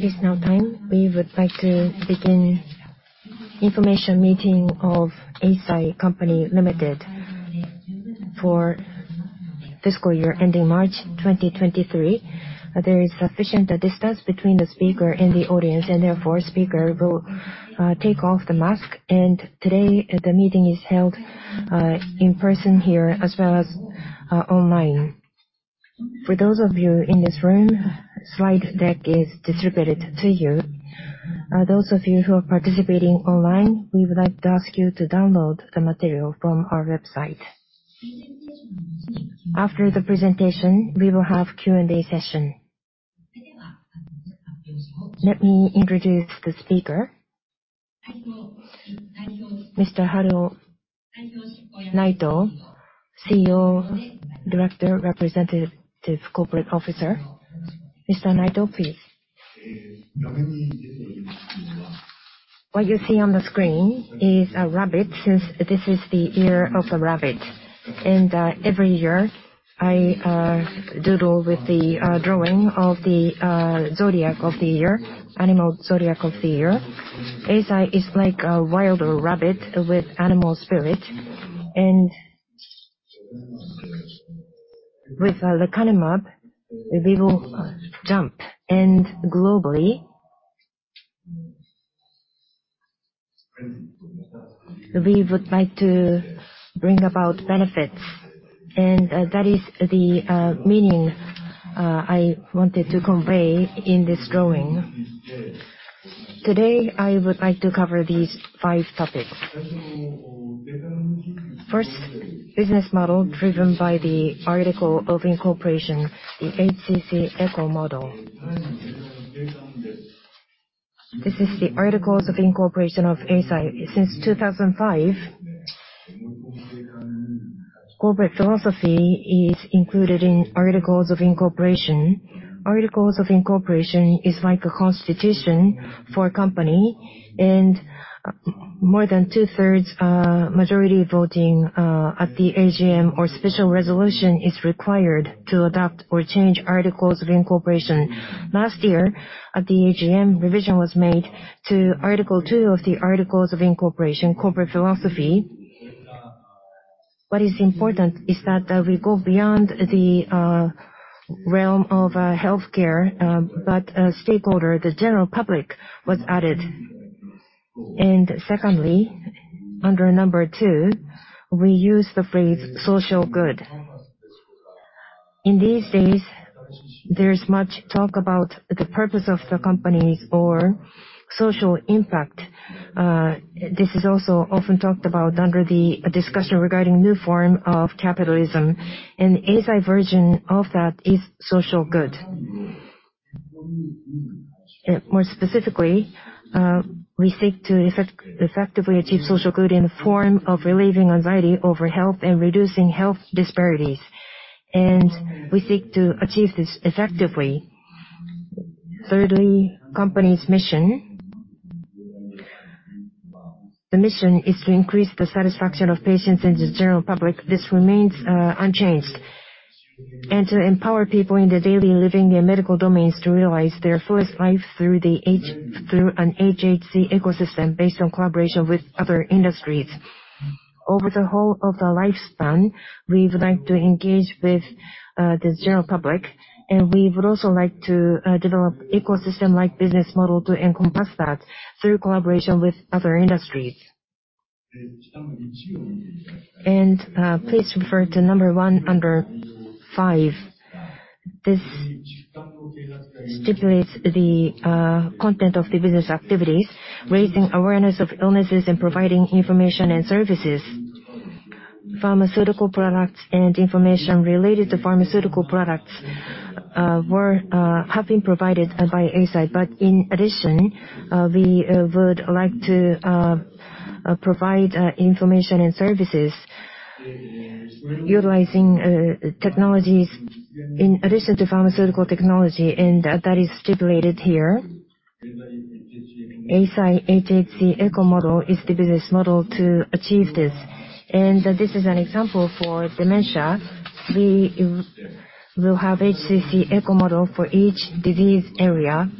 It is now time. We would like to begin information meeting of Eisai Company Limited for fiscal year ending March 2023. There is sufficient distance between the speaker and the audience, therefore, speaker will take off the mask. Today, the meeting is held in person here as well as online. For those of you in this room, slide deck is distributed to you. Those of you who are participating online, we would like to ask you to download the material from our website. After the presentation, we will have Q&A session. Let me introduce the speaker. Mr. Haruo Naito, CEO, Director, Representative Corporate Officer. Mr. Naito, please. What you see on the screen is a rabbit, since this is the year of the rabbit. Every year, I doodle with the drawing of the zodiac of the year, animal zodiac of the year. Eisai is like a wild rabbit with animal spirit. With Lecanemab, we will jump. Globally, we would like to bring about benefits. That is the meaning I wanted to convey in this drawing. Today, I would like to cover these five topics. First, business model driven by the articles of incorporation, the hhceco model. This is the articles of incorporation of Eisai. Since 2005, corporate philosophy is included in articles of incorporation. Articles of incorporation is like a constitution for a company more than 2/3 majority voting at the AGM or special resolution is required to adapt or change articles of incorporation. Last year, at the AGM, revision was made to article two of the articles of incorporation, corporate philosophy. What is important is that we go beyond the realm of healthcare, but a stakeholder, the general public, was added. Secondly, under number two, we use the phrase social good. In these days, there is much talk about the purpose of the company or social impact. This is also often talked about under the discussion regarding new form of capitalism, and Eisai version of that is social good. More specifically, we seek to effectively achieve social good in the form of relieving anxiety over health and reducing health disparities. We seek to achieve this effectively. Thirdly, company's mission. The mission is to increase the satisfaction of patients and the general public. This remains unchanged. To empower people in the daily living and medical domains to realize their fullest life through an HHC ecosystem based on collaboration with other industries. Over the whole of the lifespan, we would like to engage with the general public, and we would also like to develop ecosystem-like business model to encompass that through collaboration with other industries. Please refer to one under five. This stipulates the content of the business activities, raising awareness of illnesses and providing information and services. Pharmaceutical products and information related to pharmaceutical products have been provided by Eisai. In addition, we would like to provide information and services utilizing technologies in addition to pharmaceutical technology and that is stipulated here. Eisai HHC Echo model is the business model to achieve this. This is an example for dementia. We will have hhceco model for each disease area.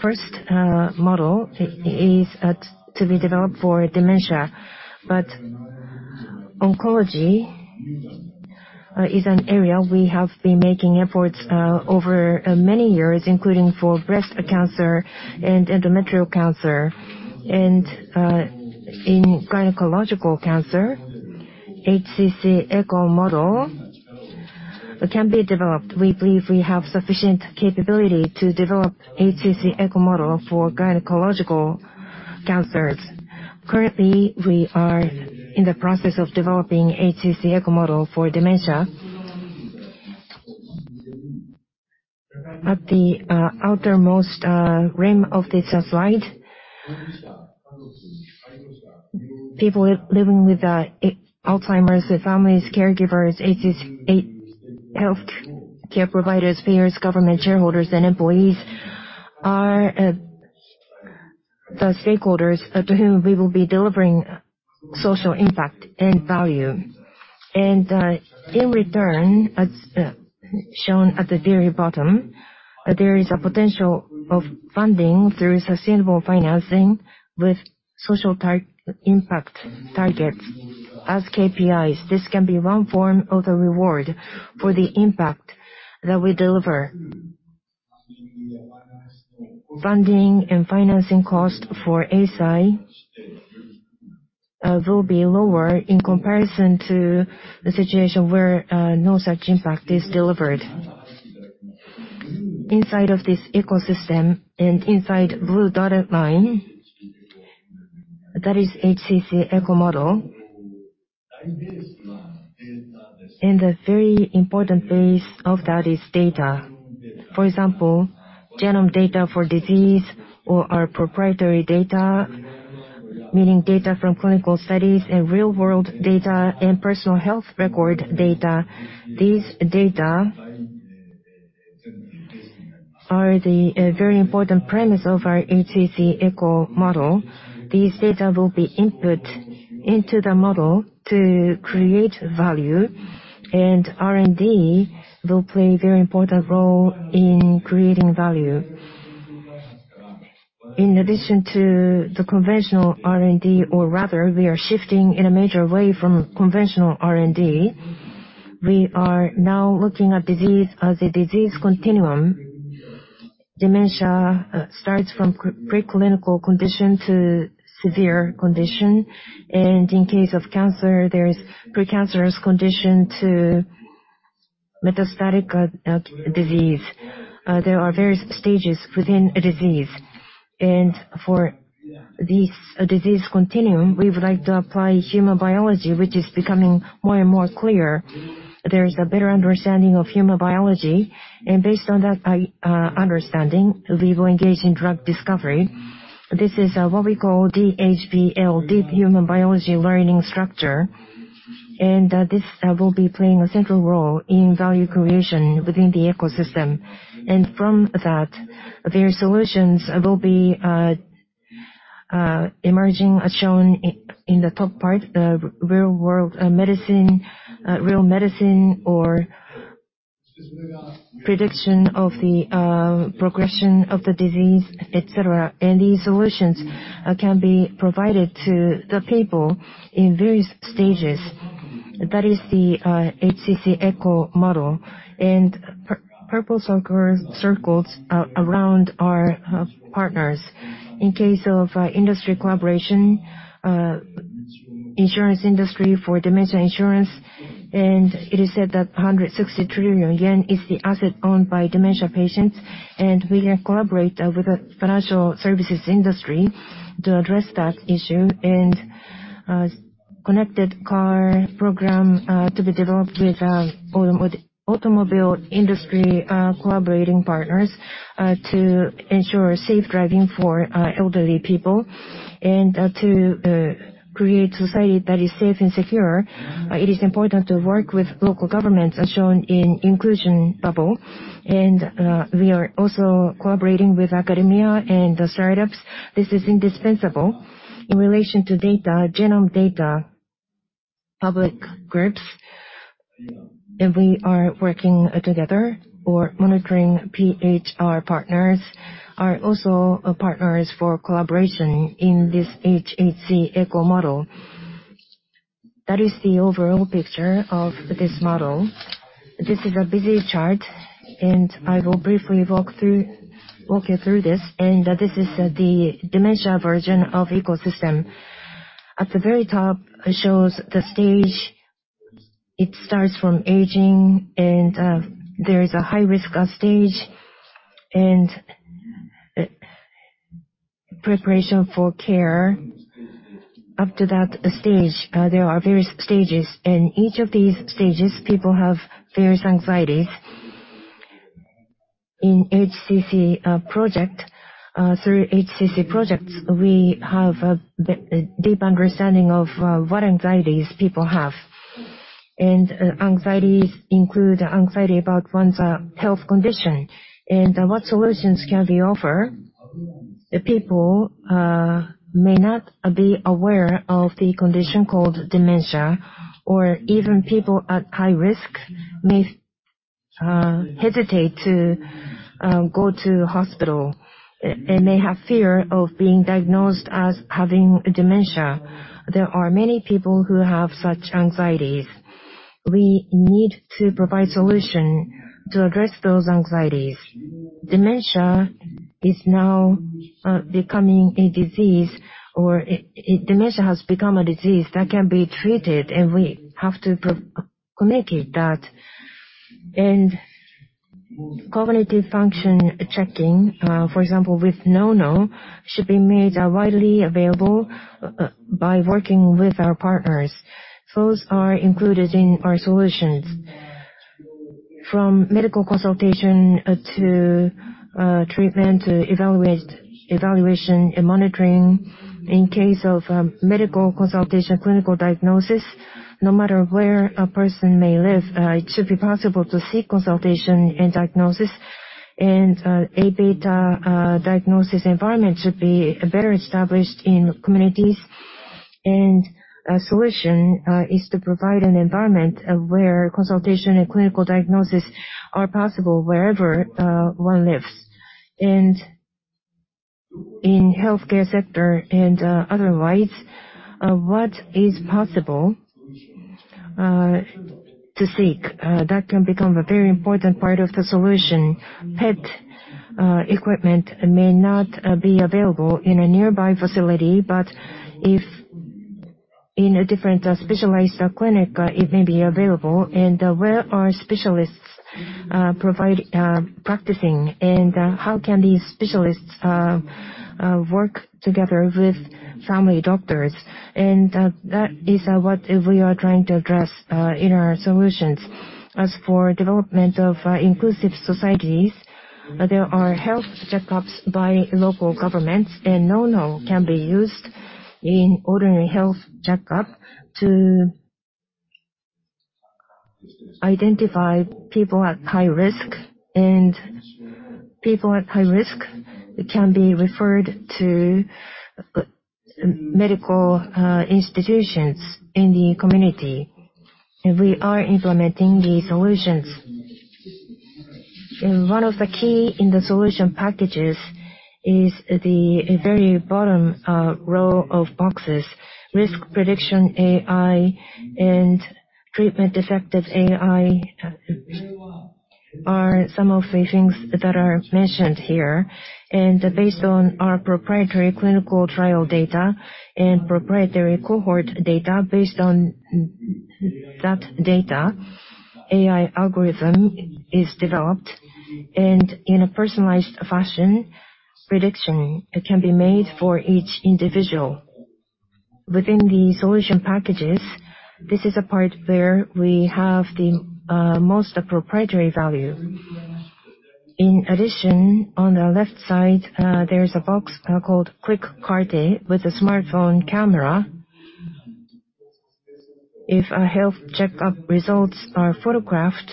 First, model is to be developed for dementia. Oncology is an area we have been making efforts over many years, including for breast cancer and endometrial cancer. In gynecological cancer, hhceco model can be developed. We believe we have sufficient capability to develop hhceco model for gynecological cancers. Currently, we are in the process of developing hhceco model for dementia. At the outermost rim of this slide. People living with Alzheimer's, with families, caregivers, healthcare providers, payers, government shareholders, and employees are the stakeholders to whom we will be delivering social impact and value. In return, as shown at the very bottom, there is a potential of funding through sustainable financing with social impact targets as KPIs. This can be one form of the reward for the impact that we deliver. Funding and financing cost for ACIC will be lower in comparison to the situation where no such impact is delivered. Inside of this ecosystem and inside blue dotted line, that is hhceco model. The very important base of that is data. For example, genome data for disease or our proprietary data, meaning data from clinical studies and real world data and personal health record data. These data are the very important premise of our hhceco model. These data will be input into the model to create value, and R&D will play a very important role in creating value. In addition to the conventional R&D, or rather we are shifting in a major way from conventional R&D, we are now looking at disease as a disease continuum. Dementia starts from preclinical condition to severe condition, and in case of cancer, there is precancerous condition to metastatic disease. There are various stages within a disease. For this disease continuum, we would like to apply human biology, which is becoming more and more clear. There is a better understanding of human biology, based on that understanding, we will engage in drug discovery. This is what we call DHBL, Deep Human Biology Learning structure. This will be playing a central role in value creation within the ecosystem. From that, various solutions will be emerging as shown in the top part, real world medicine, real medicine or prediction of the progression of the disease, et cetera. These solutions can be provided to the people in various stages. That is the hhceco model and purple circle, circles around our partners. In case of industry collaboration, insurance industry for dementia insurance, and it is said that 160 trillion yen is the asset owned by dementia patients. We can collaborate with the financial services industry to address that issue, connected car program to be developed with automobile industry collaborating partners to ensure safe driving for elderly people. To create society that is safe and secure, it is important to work with local governments as shown in inclusion bubble. We are also collaborating with academia and the startups. This is indispensable in relation to data, genome data, public groups. We are working together for monitoring PHR partners are also partners for collaboration in this hhceco model. That is the overall picture of this model. This is a busy chart, and I will briefly walk you through this, and this is the dementia version of ecosystem. At the very top shows the stage. It starts from aging, and there is a high-risk stage and preparation for care. Up to that stage, there are various stages. In each of these stages, people have various anxieties. In HCC project, through HCC projects, we have a deep understanding of what anxieties people have. Anxieties include anxiety about one's health condition and what solutions can we offer. The people may not be aware of the condition called dementia or even people at high risk may hesitate to go to hospital. They may have fear of being diagnosed as having dementia. There are many people who have such anxieties. We need to provide solution to address those anxieties. Dementia is now becoming a disease or dementia has become a disease that can be treated, and we have to communicate that. Cognitive function checking, for example, with NouKNOW, should be made widely available by working with our partners. Those are included in our solutions. From medical consultation, to treatment, to evaluation and monitoring. In case of medical consultation, clinical diagnosis, no matter where a person may live, it should be possible to seek consultation and diagnosis. Aβ diagnosis environment should be very established in communities. A solution is to provide an environment where consultation and clinical diagnosis are possible wherever one lives. In healthcare sector and otherwise, what is possible to seek, that can become a very important part of the solution. PET equipment may not be available in a nearby facility, but if in a different specialized clinic, it may be available. Where are specialists provide practicing, and how can these specialists work together with family doctors? That is what we are trying to address in our solutions. As for development of inclusive societies, there are health checkups by local governments, and NouKNOW can be used in ordinary health checkup to identify people at high risk. People at high risk can be referred to medical institutions in the community, and we are implementing these solutions. One of the key in the solution packages is the very bottom row of boxes. Risk prediction AI and treatment-effective AI are some of the things that are mentioned here. Based on our proprietary clinical trial data and proprietary cohort data, based on that data, AI algorithm is developed. In a personalized fashion, prediction can be made for each individual. Within the solution packages, this is a part where we have the most proprietary value. In addition, on the left side, there's a box called Quick Carté with a smartphone camera. If a health checkup results are photographed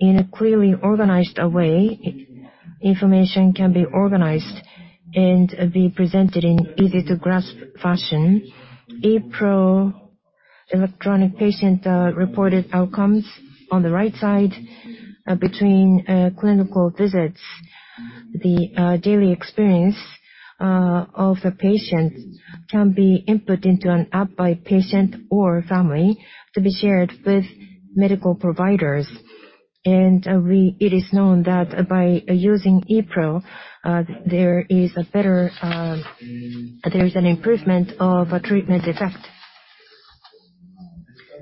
in a clearly organized way, information can be organized and be presented in easy-to-grasp fashion. ePRO, electronic patient reported outcomes on the right side between clinical visits. The daily experience of a patient can be input into an app by patient or family to be shared with medical providers. It is known that by using ePRO, there is a better, there is an improvement of a treatment effect.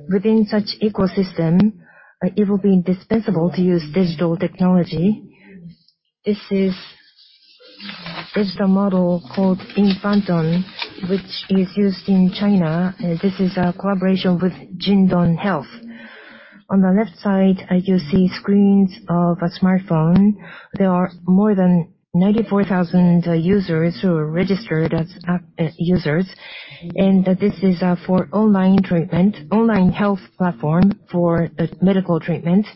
Within such ecosystem, it will be indispensable to use digital technology. This is the model called Infanton, which is used in China. This is a collaboration with JD Health. On the left side, you see screens of a smartphone. There are more than 94,000 users who are registered as users. This is for online treatment, online health platform for medical treatment.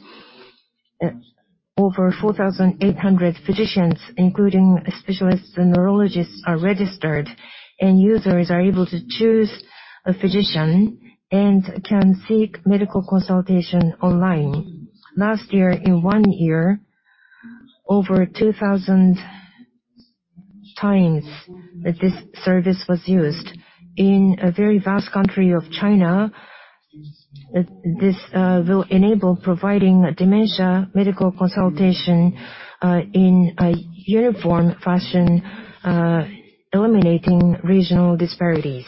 Over 4,800 physicians, including specialists and neurologists, are registered, and users are able to choose a physician and can seek medical consultation online. Last year, in one year, over 2,000 times that this service was used. In a very vast country of China, this will enable providing dementia medical consultation in a uniform fashion, eliminating regional disparities.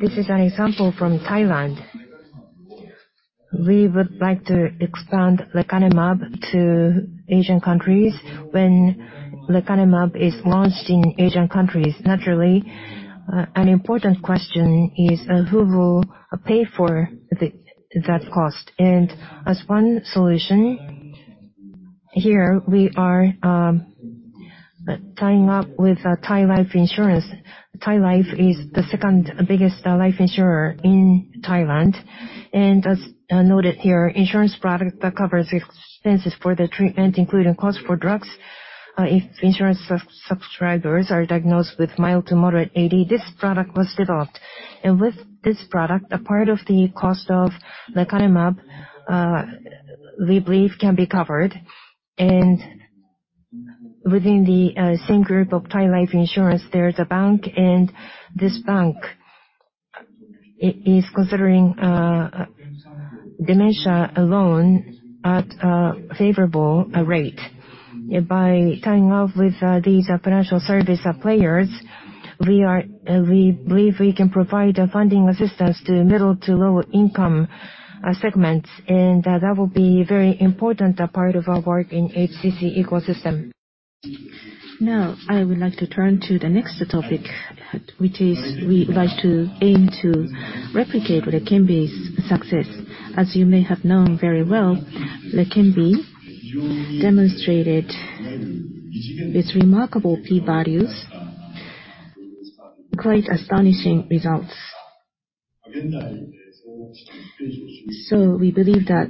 This is an example from Thailand. We would like to expand lecanemab to Asian countries. When lecanemab is launched in Asian countries, naturally, an important question is who will pay for that cost? As one solution, here we are tying up with Thai Life Insurance. Thai Life is the second biggest life insurer in Thailand. As noted here, insurance product that covers expenses for the treatment, including cost for drugs, if insurance subscribers are diagnosed with mild to moderate AD. This product was developed. With this product, a part of the cost of lecanemab, we believe can be covered. Within the same group of Thai Life Insurance, there is a bank, and this bank is considering dementia loan at a favorable rate. By tying up with these financial service players, we believe we can provide funding assistance to middle to low-income segments. That will be very important part of our work in HCC ecosystem. I would like to turn to the next topic, which is we like to aim to replicate what LEQEMBI's success. As you may have known very well, LEQEMBI demonstrated its remarkable p-values, quite astonishing results. We believe that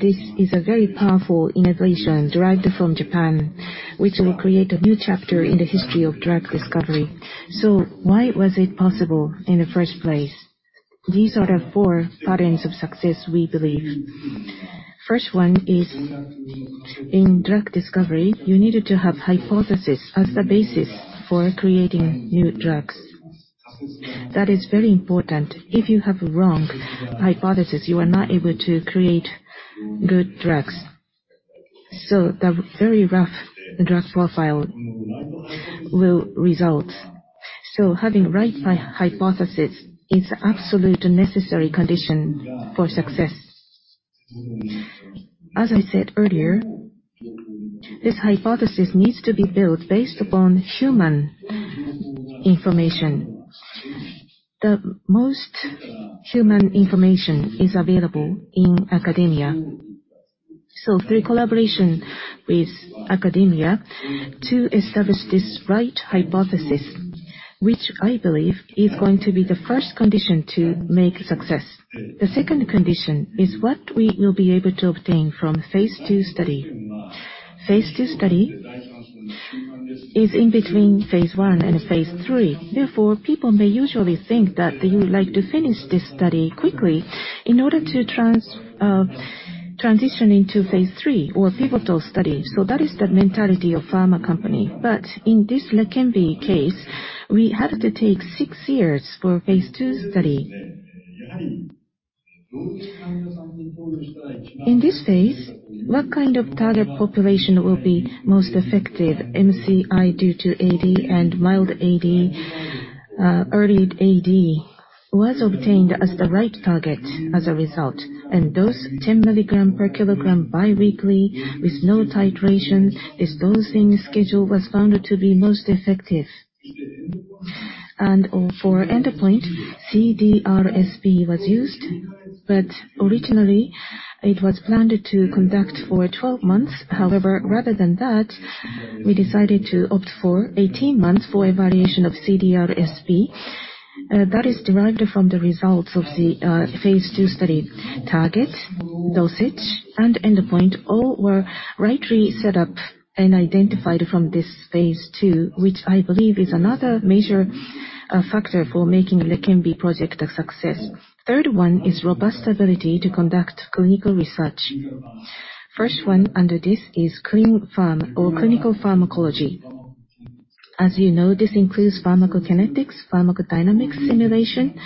this is a very powerful innovation derived from Japan, which will create a new chapter in the history of drug discovery. Why was it possible in the first place? These are the four patterns of success we believe. First one is in drug discovery, you needed to have hypothesis as the basis for creating new drugs. That is very important. If you have a wrong hypothesis, you are not able to create good drugs. The very rough drug profile will result. Having right hypothesis is absolute necessary condition for success. As I said earlier, this hypothesis needs to be built based upon human information. The most human information is available in academia. Through collaboration with academia to establish this right hypothesis, which I believe is going to be the first condition to make success. The second condition is what we will be able to obtain from phase II study. Phase II study is in between phase I and phase III. Therefore, people may usually think that they would like to finish this study quickly in order to transition into phase III or pivotal study. That is the mentality of pharma company. In this LEQEMBI case, we had to take six years for phase II study. In this phase, what kind of target population will be most effective? MCI due to AD and mild AD, early AD was obtained as the right target as a result. Dose 10 milligram per kilogram bi-weekly with no titration. This dosing schedule was found to be most effective. For endpoint, CDRSB was used, but originally it was planned to conduct for 12 months. Rather than that, we decided to opt for 18 months for evaluation of CDRSB. That is derived from the results of the phase II study. Target, dosage, and endpoint all were rightly set up and identified from this phase II, which I believe is another major factor for making LEQEMBI project a success. Third one is robust ability to conduct clinical research. First one under this is clin pharm or clinical pharmacology. As you know, this includes pharmacokinetics, pharmacodynamics simulation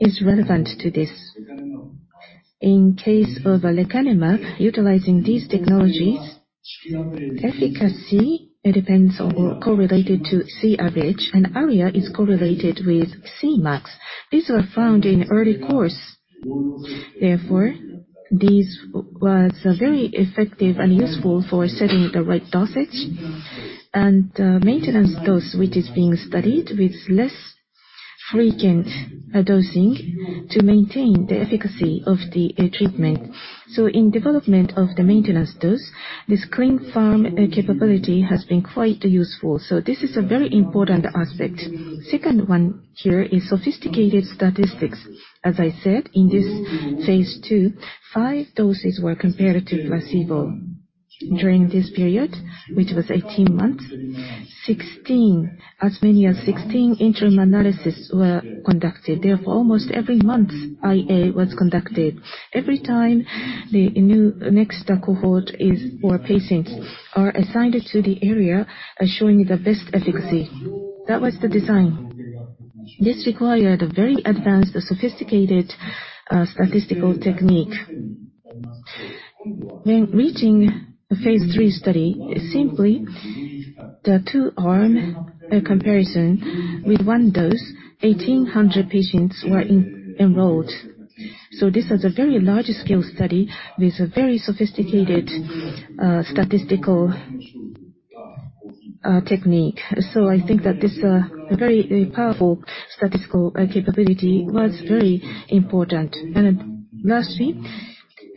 is relevant to this. In case of lecanemab, utilizing these technologies, efficacy, it depends or correlated to Cavg, and area is correlated with Cmax. These were found in early course. This was very effective and useful for setting the right dosage and maintenance dose, which is being studied with less frequent dosing to maintain the efficacy of the treatment. In development of the maintenance dose, this clin pharm capability has been quite useful. This is a very important aspect. Second one here is sophisticated statistics. As I said in this phase II, five doses were compared to placebo. During this period, which was 18 months, 16, as many as 16 interim analysis were conducted. Almost every month IA was conducted. Every time the next cohort is, or patients are assigned to the area, showing the best efficacy. That was the design. This required a very advanced, sophisticated statistical technique. When reaching the phase III study, simply the two-arm comparison with one dose, 1,800 patients were enrolled. This is a very large scale study with a very sophisticated statistical technique. I think that this very powerful statistical capability was very important. Lastly,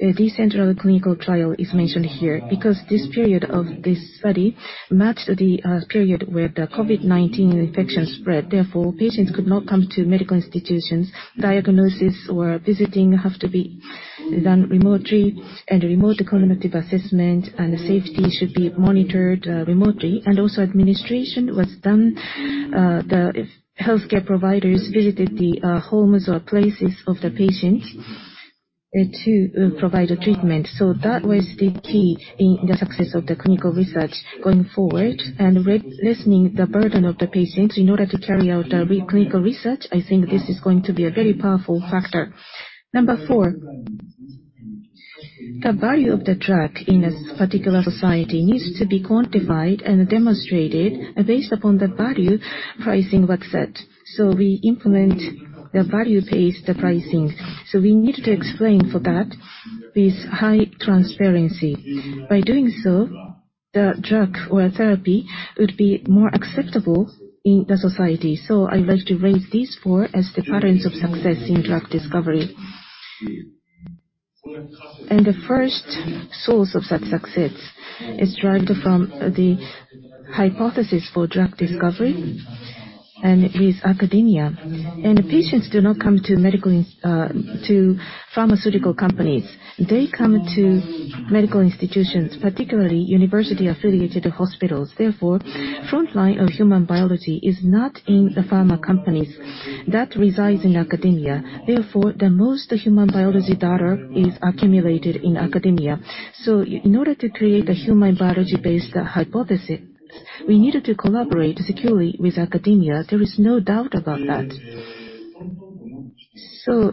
a decentralized clinical trial is mentioned here because this period of this study matched the period where the COVID-19 infection spread. Therefore, patients could not come to medical institutions. Diagnosis or visiting have to be done remotely, and remote cognitive assessment and safety should be monitored remotely. Also administration was done, the healthcare providers visited the homes or places of the patient to provide treatment. That was the key in the success of the clinical research going forward and lessening the burden of the patients in order to carry out the clinical research. I think this is going to be a very powerful factor. Number four. The value of the drug in a particular society needs to be quantified and demonstrated based upon the value pricing was set. We implement the value-based pricing. We need to explain for that with high transparency. By doing so, the drug or therapy would be more acceptable in the society. I would like to raise these four as the patterns of success in drug discovery. The first source of such success is derived from the hypothesis for drug discovery, and it is academia. Patients do not come to medical to pharmaceutical companies. They come to medical institutions, particularly university-affiliated hospitals. Therefore, frontline of human biology is not in the pharma companies. That resides in academia. Therefore, the most human biology data is accumulated in academia. In order to create a human biology-based hypothesis, we needed to collaborate securely with academia. There is no doubt about that.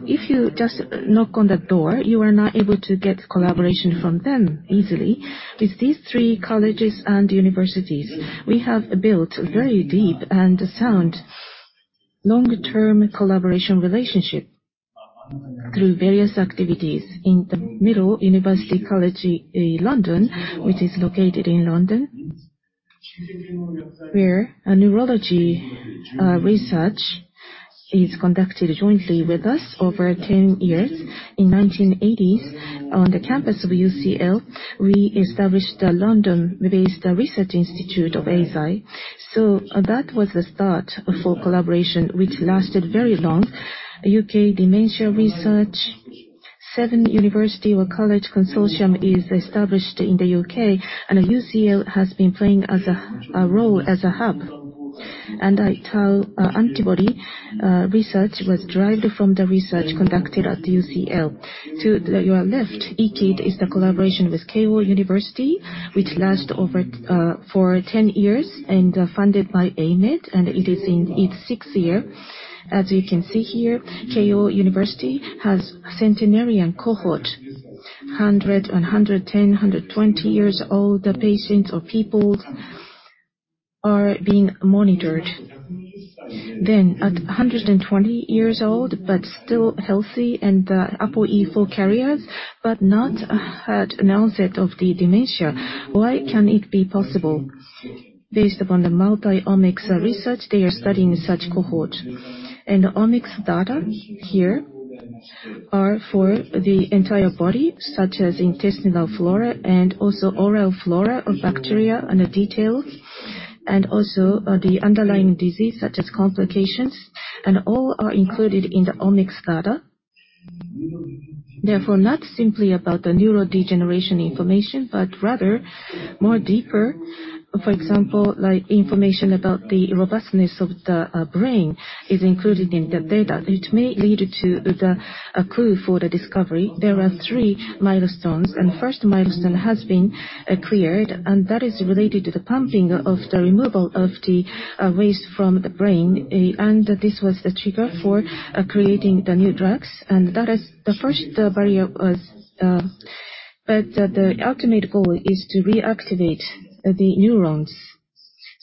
If you just knock on the door, you are not able to get collaboration from them easily. With these three colleges and universities, we have built very deep and sound long-term collaboration relationship through various activities. In the middle, University College London, which is located in London, where a neurology research is conducted jointly with us over 10 years. In the 1980s, on the campus of UCL, we established a London-based research institute of Eisai. That was the start for collaboration which lasted very long. U.K. dementia research, seven university or college consortium is established in the U.K., and UCL has been playing as a role as a hub. Tau antibody research was derived from the research conducted at UCL. To your left, EKID is the collaboration with Keio University, which last over for 10 years and funded by AMED, and it is in its sixth year. As you can see here, Keio University has centenarian cohort. 100 and 110, 120 years old, the patients or people are being monitored. At 120 years old, but still healthy and APOE4 carriers, but not at an onset of the dementia. Why can it be possible? Based upon the multi-omics research, they are studying such cohort. The omics data here are for the entire body, such as intestinal flora and also oral flora or bacteria and the details, and also the underlying disease such as complications. All are included in the omics data. Therefore, not simply about the neurodegeneration information, but rather more deeper. For example, like information about the robustness of the brain is included in the data. It may lead to a clue for the discovery. There are three milestones. First milestone has been cleared, and that is related to the pumping of the removal of the waste from the brain. This was the trigger for creating the new drugs, and that is the first barrier was... The ultimate goal is to reactivate the neurons.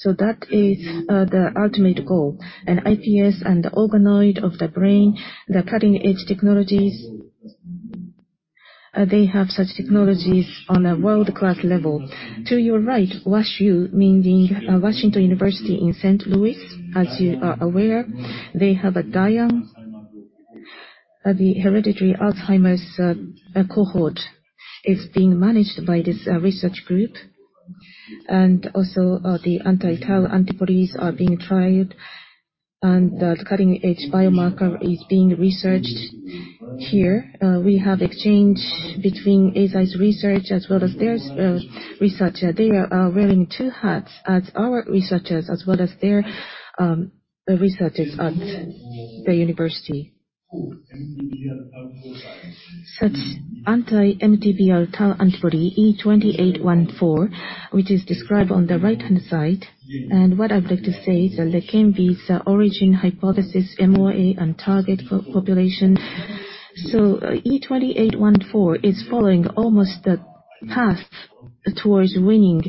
That is the ultimate goal. iPS and the organoid of the brain, the cutting-edge technologies, they have such technologies on a world-class level. To your right, WashU, meaning, Washington University in St. Louis. As you are aware, they have a DIAN, the hereditary Alzheimer's cohort. It's being managed by this research group. Also, the anti-tau antibodies are being tried and the cutting-edge biomarker is being researched here. We have exchange between Eisai's research as well as their research. They are wearing two hats as our researchers as well as their researchers at the university. Such anti-MTBR tau antibody E2814, which is described on the right-hand side. What I'd like to say is that LEQEMBI's origin hypothesis, MOA, and target population. E2814 is following almost the path towards winning,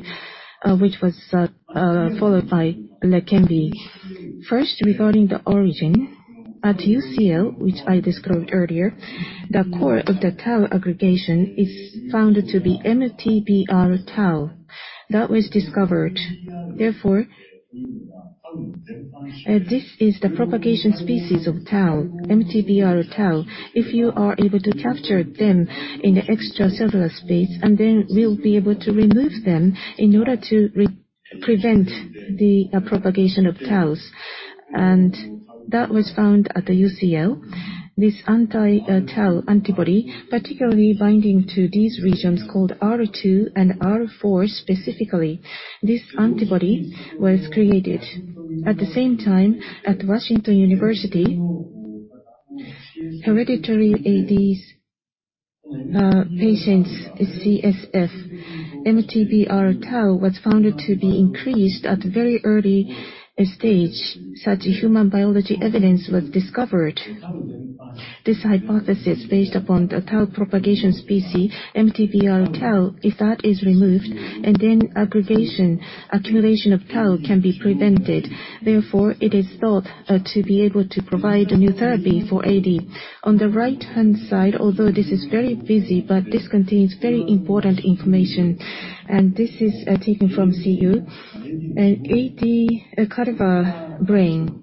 which was followed by LEQEMBI. Regarding the origin. At UCL, which I described earlier, the core of the tau aggregation is found to be MTBR tau. That was discovered. Therefore, this is the propagation species of tau, MTBR tau. If you are able to capture them in the extracellular space, then we'll be able to remove them in order to prevent the propagation of tau. That was found at the UCL. This anti-tau antibody, particularly binding to these regions called R2 and R4 specifically. This antibody was created. At the same time, at Washington University, hereditary AD patients' CSF MTBR-tau was found to be increased at very early stage. Such human biology evidence was discovered. This hypothesis based upon the tau propagation specie MTBR tau, if that is removed and then aggregation, accumulation of tau can be prevented. Therefore, it is thought to be able to provide a new therapy for AD. On the right-hand side, although this is very busy, but this contains very important information. This is taken from CU. An AD cadaver brain.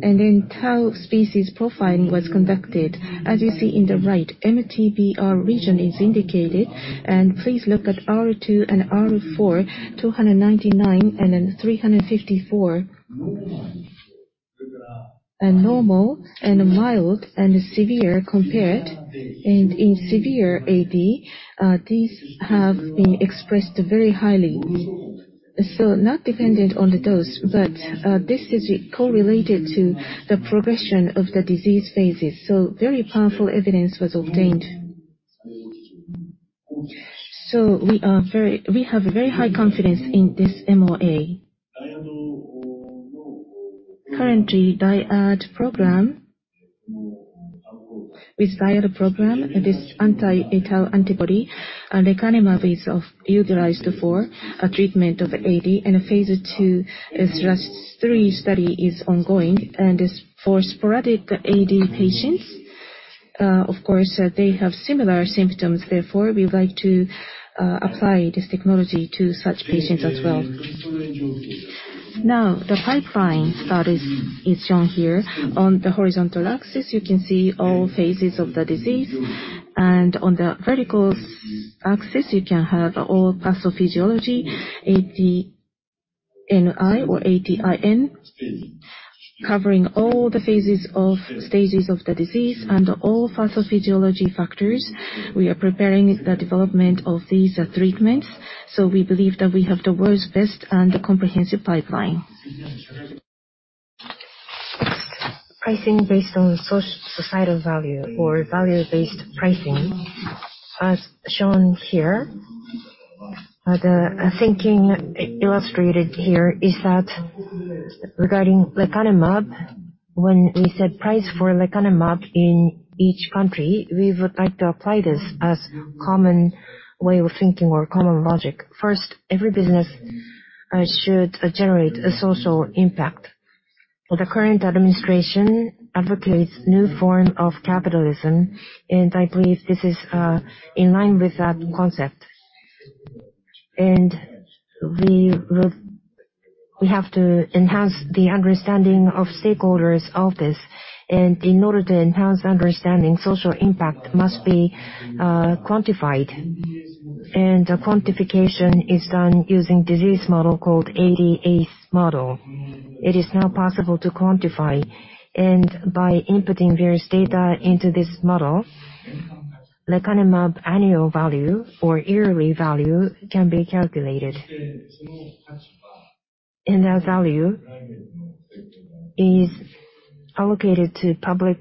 Then tau species profiling was conducted. As you see in the right, MTBR region is indicated. Please look at R2 and R4, 299 and then 354. Normal and mild and severe compared. In severe AD, these have been expressed very highly. Not dependent on the dose, but this is correlated to the progression of the disease phases. Very powerful evidence was obtained. We have very high confidence in this MOA. Currently, DIAD program, this anti-etal antibody, lecanemab is utilized for a treatment of AD, and a phase II plus III study is ongoing. As for sporadic AD patients, of course, they have similar symptoms, therefore, we would like to apply this technology to such patients as well. The pipeline that is shown here. On the horizontal axis, you can see all phases of the disease. On the vertical axis, you can have all pathophysiology, ADNI or ADIN, covering all the stages of the disease and all pathophysiology factors. We are preparing the development of these treatments. We believe that we have the world's best and comprehensive pipeline. Pricing based on societal value or value-based pricing, as shown here. The thinking illustrated here is that regarding lecanemab, when we set price for lecanemab in each country, we would like to apply this as common way of thinking or common logic. First, every business should generate a social impact. The current administration advocates new form of capitalism, I believe this is in line with that concept. We have to enhance the understanding of stakeholders of this. In order to enhance understanding, social impact must be quantified. The quantification is done using disease model called ADAS model. It is now possible to quantify. By inputting various data into this model, lecanemab annual value or yearly value can be calculated. That value is allocated to public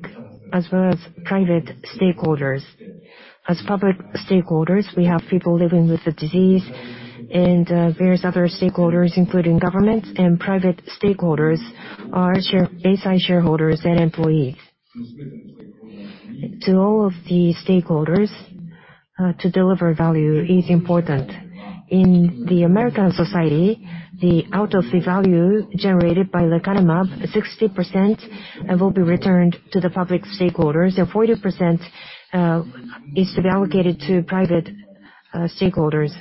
as well as private stakeholders. As public stakeholders, we have people living with the disease and various other stakeholders, including government and private stakeholders, Eisai shareholders and employees. To all of the stakeholders, to deliver value is important. In the American society, the out of the value generated by lecanemab, 60% will be returned to the public stakeholders, and 40% is to be allocated to private stakeholders.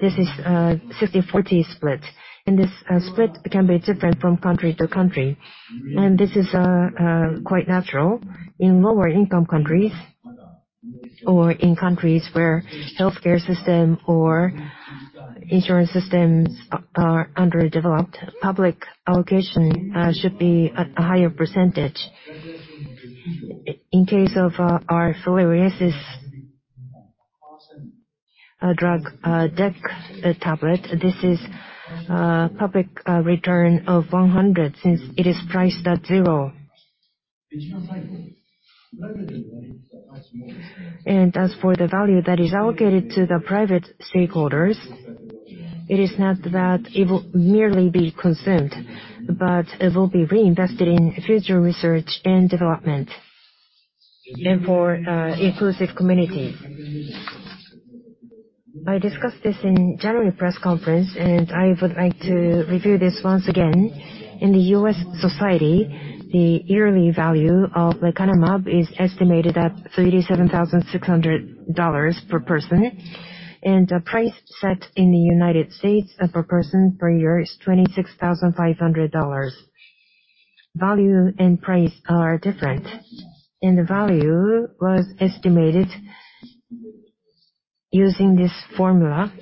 This is a 60-40 split, this split can be different from country to country. This is quite natural. In lower-income countries or in countries where healthcare system or insurance systems are underdeveloped, public allocation should be at a higher percentage. In case of our Soliris, a drug, DEC tablet, this is a public return of 100 since it is priced at zero. As for the value that is allocated to the private stakeholders, it is not that it will merely be consumed, but it will be reinvested in future research and development and for inclusive community. I discussed this in January press conference, and I would like to review this once again. In the U.S. society, the yearly value of lecanemab is estimated at $37,600 per person, and the price set in the United States per person per year is $26,500. Value and price are different. The value was estimated using this formula.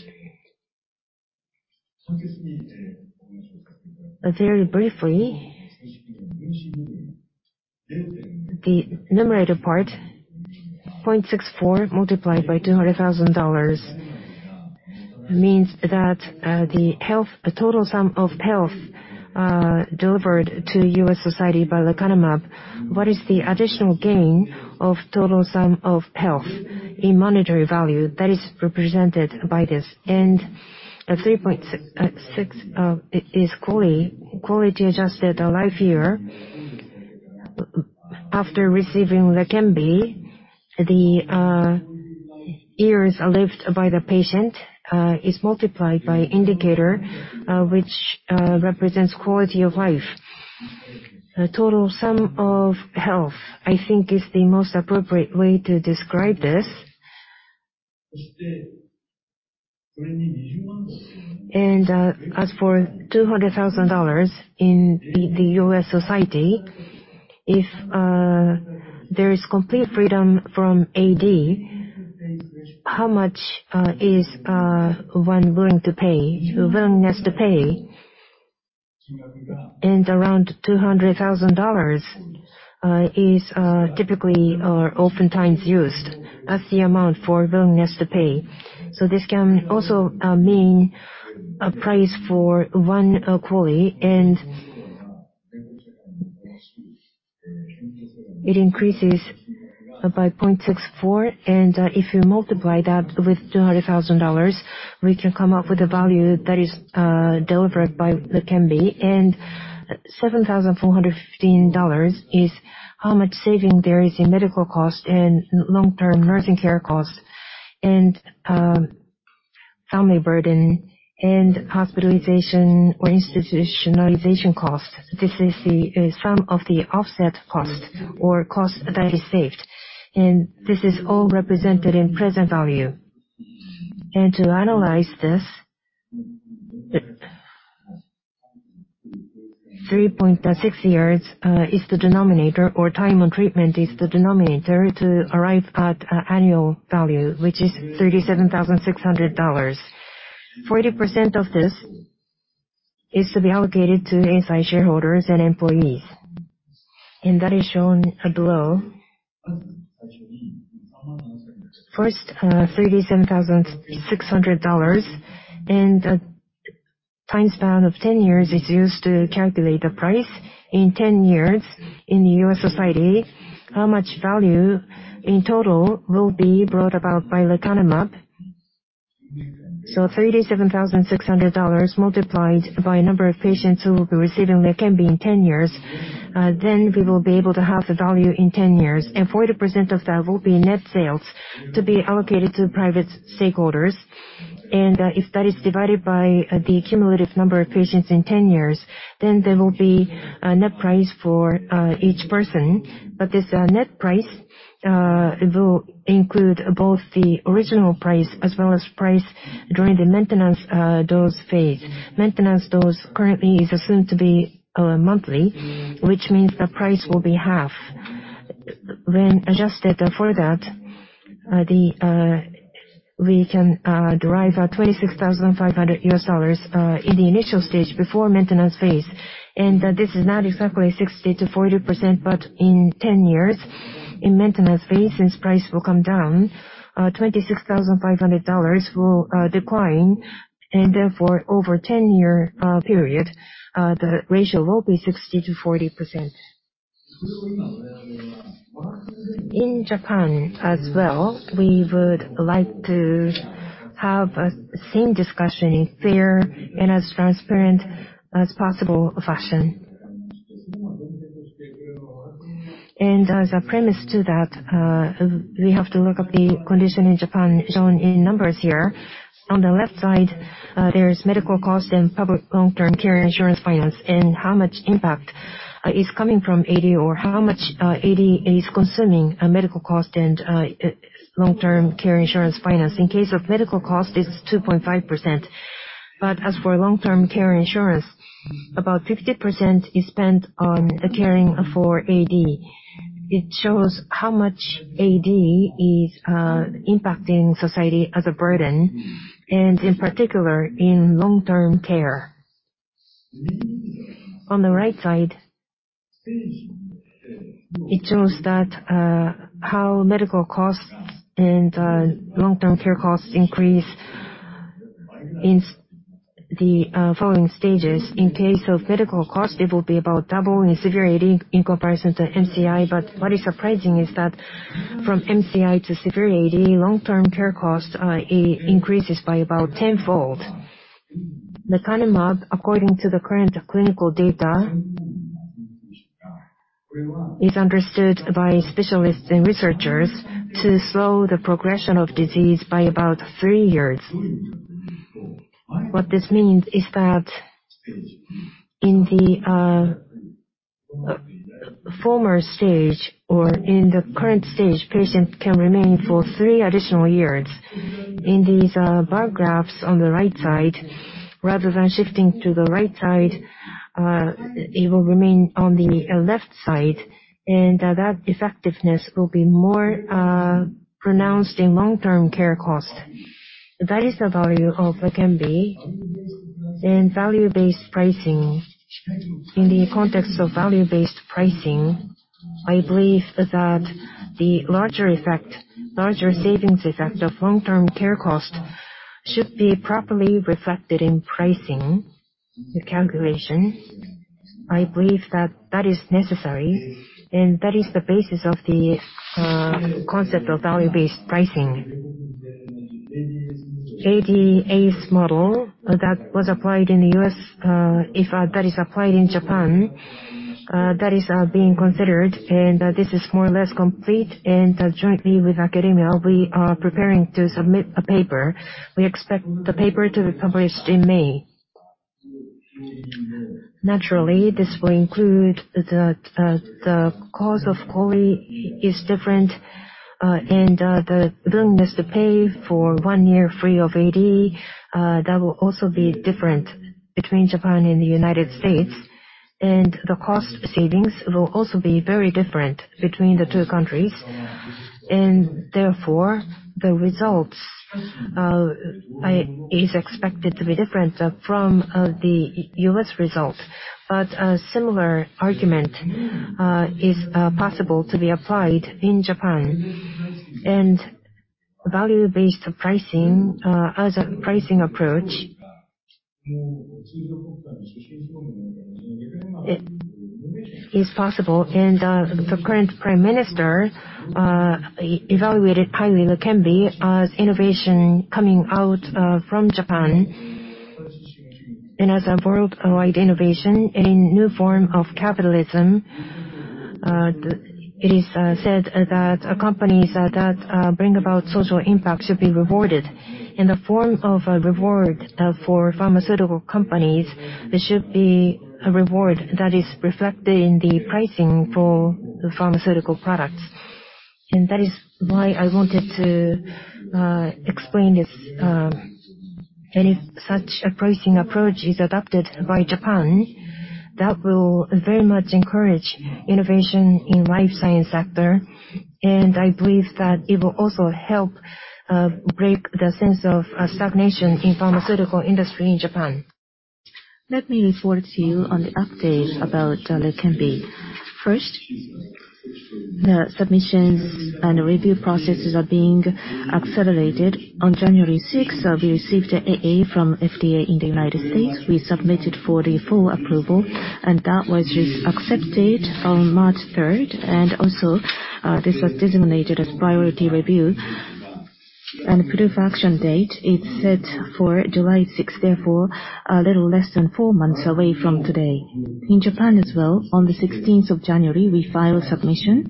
Very briefly. The numerator part, 0.64 multiplied by $200,000 means that the total sum of health delivered to U.S. society by lecanemab. What is the additional gain of total sum of health in monetary value? That is represented by this. The 3.6 is QALY, quality-adjusted life year. After receiving LEQEMBI, the years lived by the patient is multiplied by indicator, which represents quality of life. The total sum of health, I think is the most appropriate way to describe this. As for $200,000 in the U.S. society, if there is complete freedom from AD, how much is one willing to pay? Willingness to pay. Around $200,000 is typically or oftentimes used as the amount for willingness to pay. This can also mean a price for one QALY, and it increases by 0.64. If you multiply that with $200,000, we can come up with a value that is delivered by LEQEMBI. $7,415 is how much saving there is in medical cost and long-term nursing care costs, family burden, and hospitalization or institutionalization costs. This is the sum of the offset cost or cost that is saved. This is all represented in present value. To analyze this, 3.6 years is the denominator, or time on treatment is the denominator to arrive at annual value, which is $37,600. 40% of this is to be allocated to Eisai shareholders and employees. That is shown below. First, $37,600 and a time span of 10 years is used to calculate the price. In 10 years in the U.S. society, how much value in total will be brought about by lecanemab. $37,600 multiplied by a number of patients who will be receiving LEQEMBI in 10 years, then we will be able to have the value in 10 years. Forty percent of that will be net sales to be allocated to private stakeholders. If that is divided by the cumulative number of patients in 10 years, then there will be a net price for each person. This net price will include both the original price as well as price during the maintenance dose phase. Maintenance dose currently is assumed to be monthly, which means the price will be half. When adjusted for that, we can derive a $26,500 in the initial stage before maintenance phase. This is not exactly 60% to 40%, but in 10 years in maintenance phase, since price will come down, $26,500 will decline and therefore, over 10-year period, the ratio will be 60% to 40%. In Japan as well, we would like to have a same discussion in fair and as transparent as possible fashion. As a premise to that, we have to look at the condition in Japan shown in numbers here. On the left side, there's medical cost and public long-term care insurance finance and how much impact is coming from AD or how much AD is consuming medical cost and long-term care insurance finance. In case of medical cost, it's 2.5%. As for long-term care insurance, about 50% is spent on caring for AD. It shows how much AD is impacting society as a burden, and in particular, in long-term care. On the right side, it shows that how medical costs and long-term care costs increase in the following stages. In case of medical cost, it will be about double in severe AD in comparison to MCI. But what is surprising is that from MCI to severe AD, long-term care costs increases by about tenfold. Lecanemab, according to the current clinical data, is understood by specialists and researchers to slow the progression of disease by about 3 years. What this means is that in the former stage or in the current stage, patients can remain for 3 additional years. In these bar graphs on the right side, rather than shifting to the right side, it will remain on the left side, and that effectiveness will be more pronounced in long-term care cost. That is the value of LEQEMBI and value-based pricing. In the context of value-based pricing, I believe that the larger effect, larger savings effect of long-term care cost should be properly reflected in pricing calculation. I believe that that is necessary, and that is the basis of the concept of value-based pricing. ADAS model that was applied in the U.S., if that is applied in Japan, that is being considered, and this is more or less complete. Jointly with academia, we are preparing to submit a paper. We expect the paper to be published in May. Naturally, this will include the cause of COI is different, and the willingness to pay for one year free of AD that will also be different between Japan and the United States. The cost savings will also be very different between the two countries. Therefore, the results is expected to be different from the U.S. result. A similar argument is possible to be applied in Japan. Value-based pricing as a pricing approach it is possible. The current prime minister evaluated highly LEQEMBI as innovation coming out from Japan. As a worldwide innovation and a new form of capitalism, it is said that companies that bring about social impact should be rewarded. In the form of a reward for pharmaceutical companies, there should be a reward that is reflected in the pricing for the pharmaceutical products. That is why I wanted to explain this. If such a pricing approach is adopted by Japan, that will very much encourage innovation in life science sector. I believe that it will also help break the sense of stagnation in pharmaceutical industry in Japan. Let me report to you on the update about LEQEMBI. First, the submissions and review processes are being accelerated. On 6 January, we received an AA from FDA in the United States. We submitted for the full approval, and that was accepted on 3 March. Also, this was designated as priority review. The proof action date is set for 6 July, therefore, a little less than four months away from today. In Japan as well, on the 16 January, we filed submission,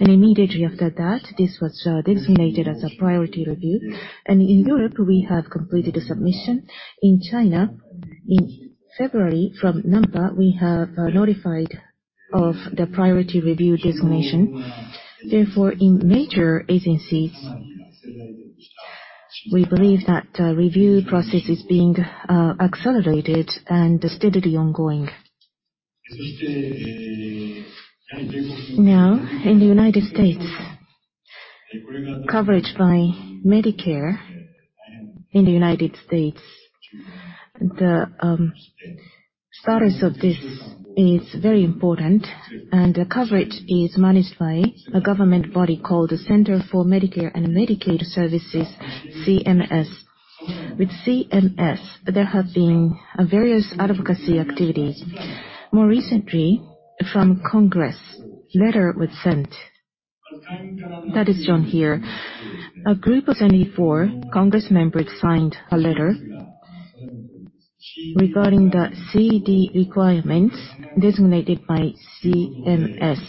and immediately after that, this was designated as a priority review. In Europe, we have completed a submission. In China, in February, from NMPA we have notified of the priority review designation. In major agencies, we believe that review process is being accelerated and steadily ongoing. In the United States, coverage by Medicare in the United States, the status of this is very important. The coverage is managed by a government body called the Centers for Medicare & Medicaid Services, CMS. With CMS, there have been various advocacy activities. More recently, from Congress, letter was sent. That is shown here. A group of 24 Congress members signed a letter regarding the CED requirements designated by CMS.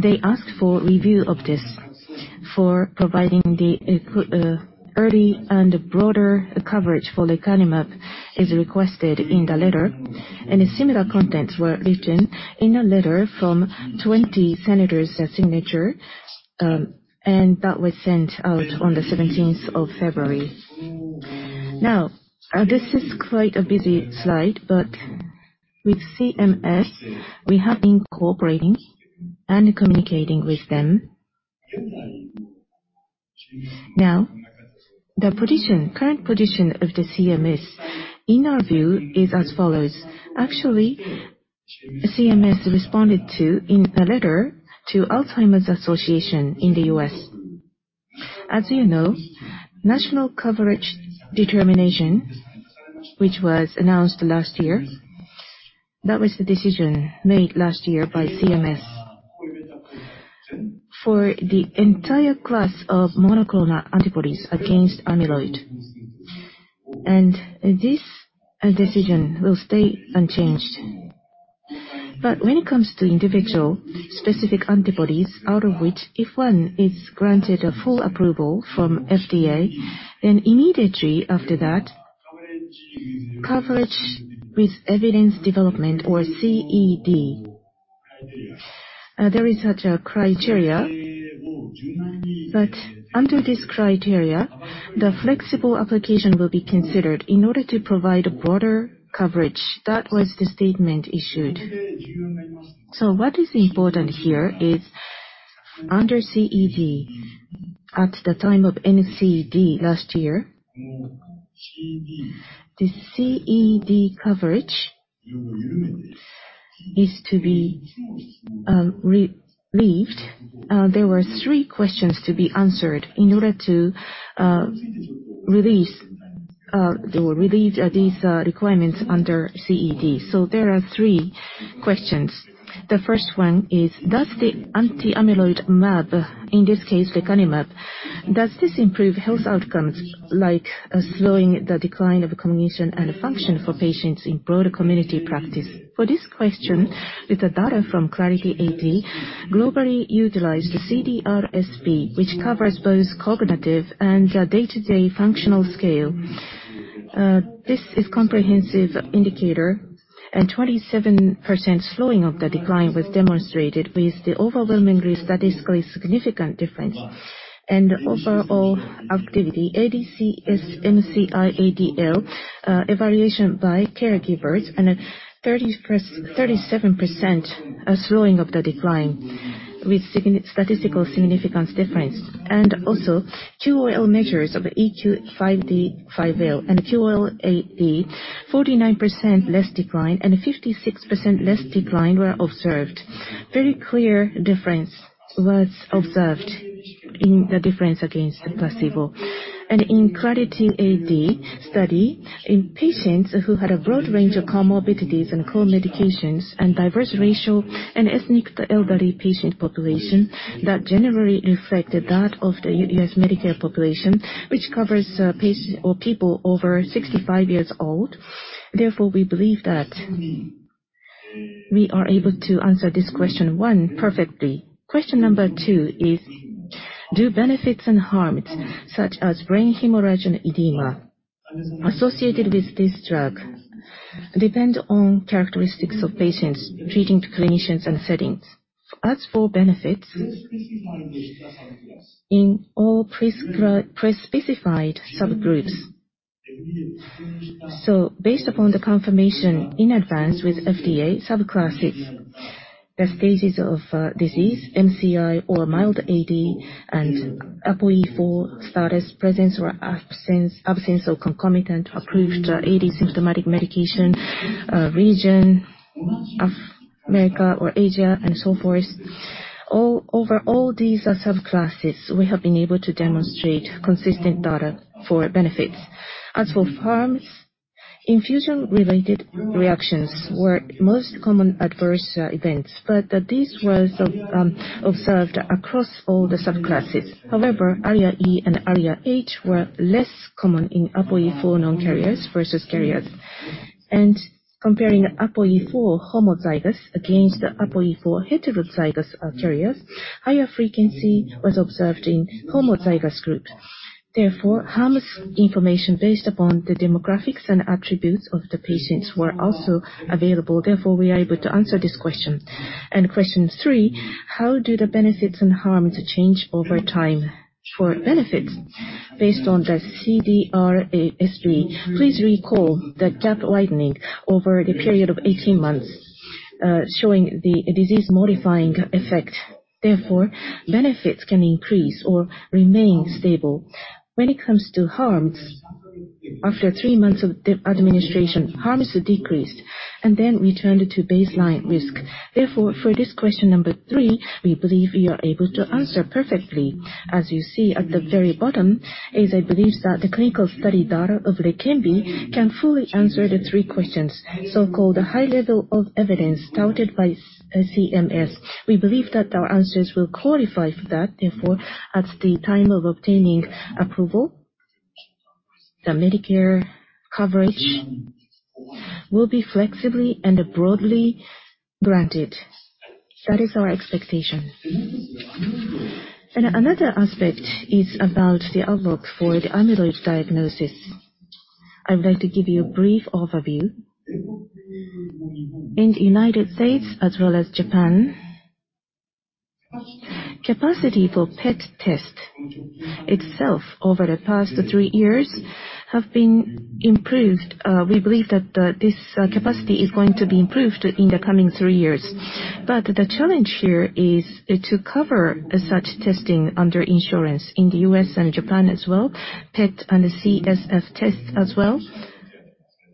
They asked for review of this for providing the early and broader coverage for lecanemab as requested in the letter. Similar contents were written in a letter from 20 senators' signature, and that was sent out on the 17th of February. This is quite a busy slide, but with CMS, we have been cooperating and communicating with them. The current position of the CMS in our view is as follows. Actually, CMS responded to in a letter to Alzheimer's Association in the U.S. As you know, national coverage determination, which was announced last year, that was the decision made last year by CMS for the entire class of monoclonal antibodies against amyloid. This decision will stay unchanged. When it comes to individual specific antibodies, out of which if one is granted a full approval from FDA, then immediately after that, coverage with evidence development or CED. There is such a criteria. Under this criteria, the flexible application will be considered in order to provide a broader coverage. That was the statement issued. What is important here is under CED, at the time of NCD last year, the CED coverage is to be relieved. There were three questions to be answered in order to release- They will relieve these requirements under CED. There are three questions. The first one is, does the anti-amyloid mab, in this case lecanemab, does this improve health outcomes like slowing the decline of communication and function for patients in broader community practice? For this question, with the data from Clarity AD, globally utilized the CDRSB, which covers both cognitive and the day-to-day functional scale. This is comprehensive indicator, and 27% slowing of the decline was demonstrated with the overwhelmingly statistically significant difference. Overall activity, ADCS, MCI-ADL, evaluation by caregivers and a 37% slowing of the decline with statistical significance difference. Also QOL measures of EQ-5D-5L and QOL-AD, 49% less decline and 56% less decline were observed. Very clear difference was observed in the difference against the placebo. In Clarity AD study, in patients who had a broad range of comorbidities and co-medications and diverse racial and ethnic elderly patient population, that generally reflected that of the U.S. Medicare population, which covers or people over 65 years old. Therefore, we believe that we are able to answer this question one perfectly. Question number two is, do benefits and harms such as brain hemorrhage and edema associated with this drug depend on characteristics of patients treating clinicians and settings? As for benefits, in all prespecified subgroups. Based upon the confirmation in advance with FDA subclasses, the stages of disease, MCI or mild AD and APOE4 status, presence or absence or concomitant approved AD symptomatic medication, region of America or Asia and so forth. Over all these subclasses, we have been able to demonstrate consistent data for benefits. As for harms, infusion-related reactions were most common adverse events. This was observed across all the subclasses. However, ARIA E and ARIA H were less common in APOE4 non-carriers versus carriers. Comparing APOE4 homozygous against APOE4 heterozygous carriers, higher frequency was observed in homozygous groups. Therefore, harms information based upon the demographics and attributes of the patients were also available. Therefore, we are able to answer this question. Question three, how do the benefits and harms change over time? For benefits, based on the CDR-SB, please recall the gap widening over the period of 18 months, showing the disease-modifying effect. Therefore, benefits can increase or remain stable. When it comes to harms, after three months of the administration, harms decreased and then returned to baseline risk. Therefore, for this question number three, we believe we are able to answer perfectly. As you see at the very bottom, Eisai believes that the clinical study data of LEQEMBI can fully answer the three questions, so-called high level of evidence touted by CMS. We believe that our answers will qualify for that. Therefore, at the time of obtaining approval, the Medicare coverage will be flexibly and broadly granted. That is our expectation. Another aspect is about the outlook for the amyloid diagnosis. I would like to give you a brief overview. In the United States as well as Japan, capacity for PET test itself over the past three years have been improved. We believe that this capacity is going to be improved in the coming three years. The challenge here is to cover such testing under insurance in the US and Japan as well. PET and the CSF tests as well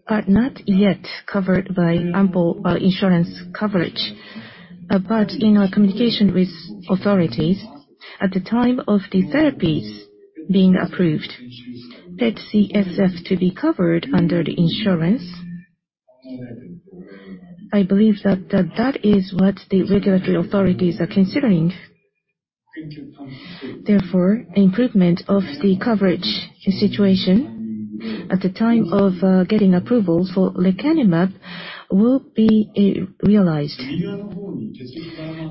are not yet covered by ample insurance coverage. In our communication with authorities at the time of the therapies being approved, PET CSF to be covered under the insurance, I believe that that is what the regulatory authorities are considering. Improvement of the coverage situation at the time of getting approval for lecanemab will be realized.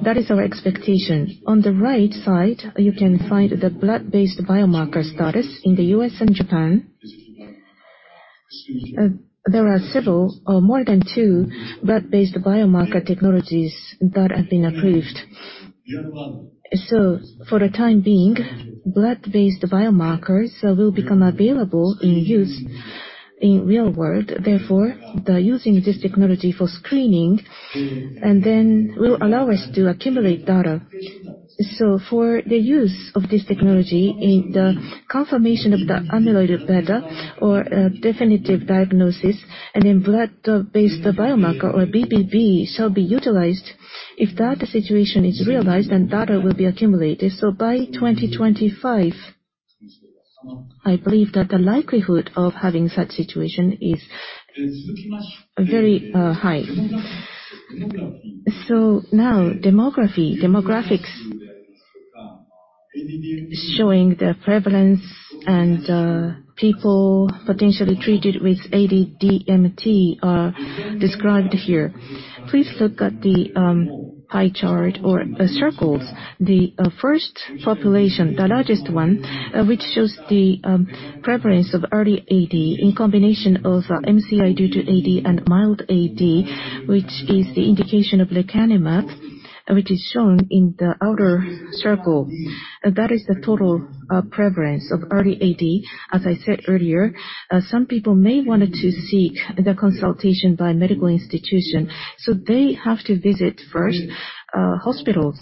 That is our expectation. On the right side, you can find the blood-based biomarker status in the U.S. and Japan. There are several or more than two blood-based biomarker technologies that have been approved. For the time being, blood-based biomarkers will become available in use in real world. The using this technology for screening and then will allow us to accumulate data. For the use of this technology in the confirmation of the amyloid beta or a definitive diagnosis and in blood-based biomarker or BBB shall be utilized. If that situation is realized, data will be accumulated. By 2025. I believe that the likelihood of having such situation is very high. Now demography. Demographics showing the prevalence and people potentially treated with AD-DMT are described here. Please look at the pie chart or the circles. The first population, the largest one, which shows the prevalence of early AD in combination of MCI due to AD and mild AD, which is the indication of lecanemab, which is shown in the outer circle. That is the total prevalence of early AD. As I said earlier, some people may wanted to seek the consultation by medical institution. They have to visit first hospitals.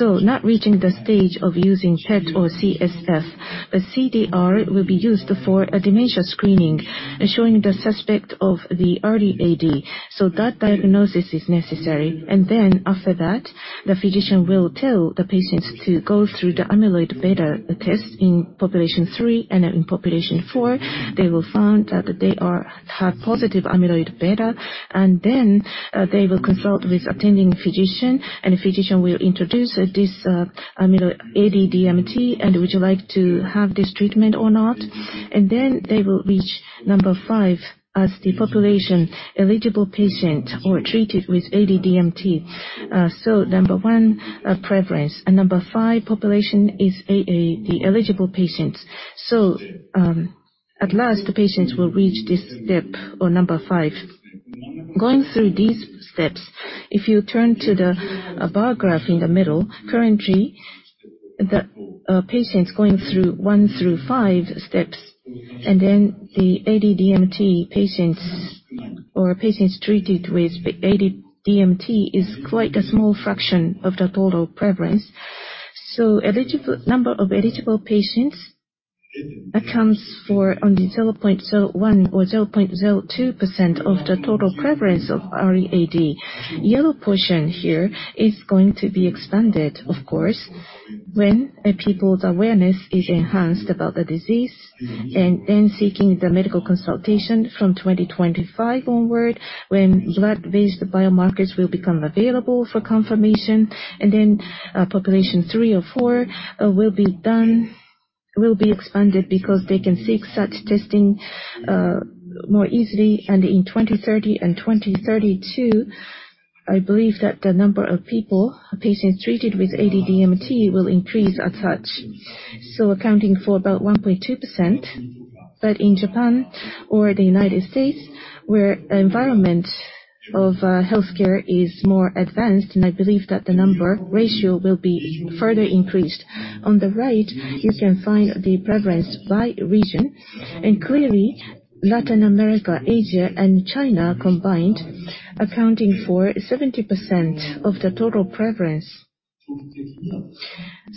Not reaching the stage of using PET or CSF. A CDR will be used for a dementia screening, showing the suspect of the early AD. That diagnosis is necessary. After that, the physician will tell the patients to go through the amyloid beta test in population three. In population four, they will find that they have positive amyloid beta. They will consult with attending physician, and a physician will introduce this amyloid AD-DMT. "Would you like to have this treatment or not?" They will reach number five as the population eligible patient or treated with AD-DMT. Number one, prevalence. Number five population is AA, the eligible patients. At last, the patients will reach this step or number five. Going through these steps, if you turn to the bar graph in the middle. Currently, the patients going through one through five steps, and then the AD DMT patients or patients treated with AD DMT is quite a small fraction of the total prevalence. Number of eligible patients accounts for only 0.01% or 0.02% of the total prevalence of early AD. Yellow portion here is going to be expanded, of course, when people's awareness is enhanced about the disease, and then seeking the medical consultation from 2025 onward, when blood-based biomarkers will become available for confirmation. Population three or four will be expanded because they can seek such testing more easily. In 2030 and 2032, I believe that the number of people, patients treated with AD DMT will increase as such. Accounting for about 1.2%. In Japan or the United States, where environment of healthcare is more advanced, and I believe that the number ratio will be further increased. Clearly, Latin America, Asia and China combined accounting for 70% of the total prevalence.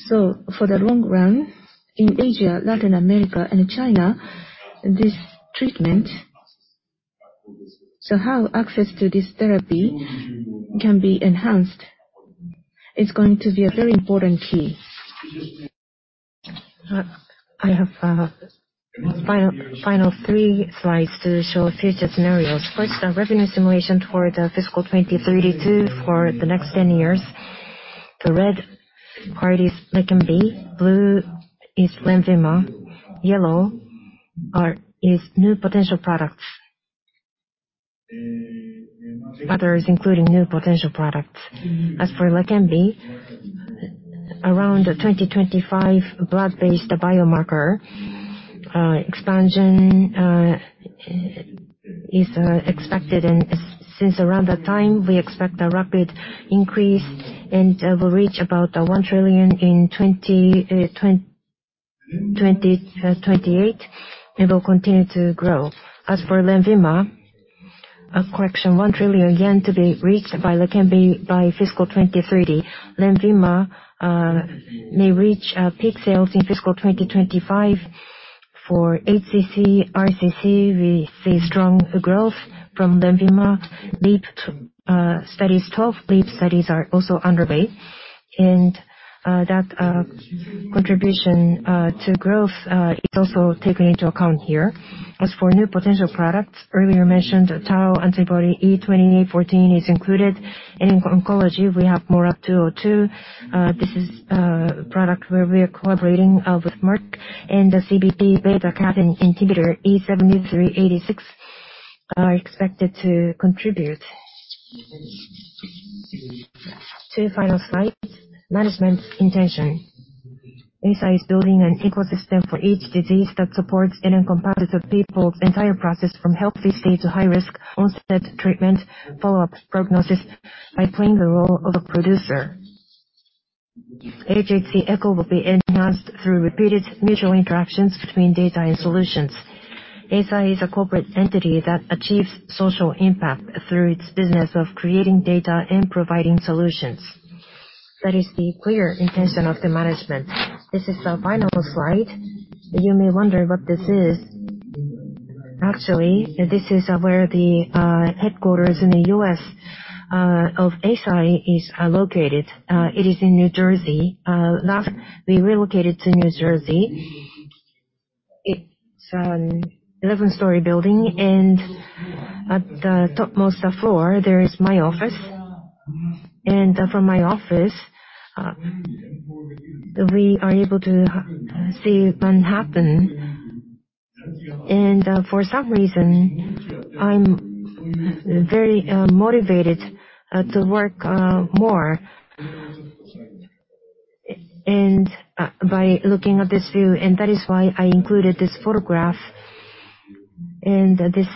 For the long run, in Asia, Latin America and China, this treatment. How access to this therapy can be enhanced is going to be a very important key. I have final three slides to show future scenarios. First, the revenue simulation toward the fiscal 2032 for the next 10 years. The red part is LEQEMBI. Blue is LENVIMA. Yellow is new potential products. Other is including new potential products. As for LEQEMBI, around the 2025 blood-based biomarker expansion is expected. Since around that time, we expect a rapid increase and will reach about 1 trillion in 2028. It will continue to grow. As for LENVIMA. Correction, 1 trillion yen to be reached by LEQEMBI by fiscal 2030. LENVIMA may reach peak sales in fiscal 2025. For HCC, RCC, we see strong growth from LENVIMA. LEAP 2 studies, 12 LEAP studies are also underway. That contribution to growth is also taken into account here. As for new potential products, earlier mentioned tau antibody E2814 is included. In oncology, we have MORAb-202. This is a product where we are collaborating with Merck. The C1q beta-catenin inhibitor E7386 are expected to contribute. Two final slides. Management intention. Eisai is building an ecosystem for each disease that supports end-to people's entire process, from healthy state to high risk, onset treatment, follow-up prognosis by playing the role of a producer. AJC Echo will be enhanced through repeated mutual interactions between data and solutions. Eisai is a corporate entity that achieves social impact through its business of creating data and providing solutions. That is the clear intention of the management. This is the final slide. You may wonder what this is. Actually, this is where the headquarters in the U.S. of Eisai is located. It is in New Jersey. Last we relocated to New Jersey. It's an 11-storey building, and at the topmost floor, there is my office. From my office, we are able to see Manhattan. For some reason, I'm very motivated to work more. By looking at this view, and that is why I included this photograph. This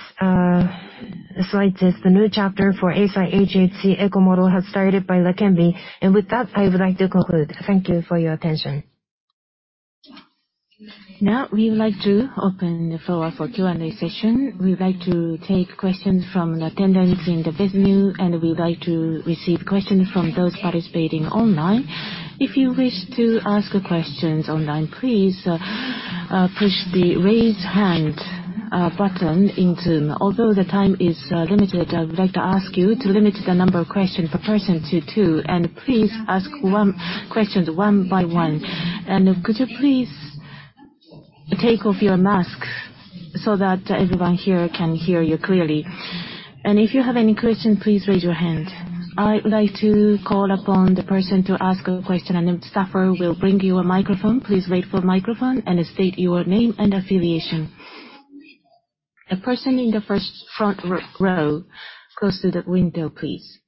slide says, "The new chapter for Eisai hhceco model has started by LEQEMBI." With that, I would like to conclude. Thank you for your attention. Now we would like to open the floor for Q&A session. We would like to take questions from the attendees in the biz new, and we would like to receive questions from those participating online. If you wish to ask questions online, please push the Raise Hand button in Zoom. Although the time is limited, I would like to ask you to limit the number of questions per person to two, and please ask questions one by one. Could you please take off your mask so that everyone here can hear you clearly. If you have any questions, please raise your hand. I would like to call upon the person to ask a question, and then staffer will bring you a microphone. Please wait for microphone and state your name and affiliation. The person in the first front row, close to the window, please.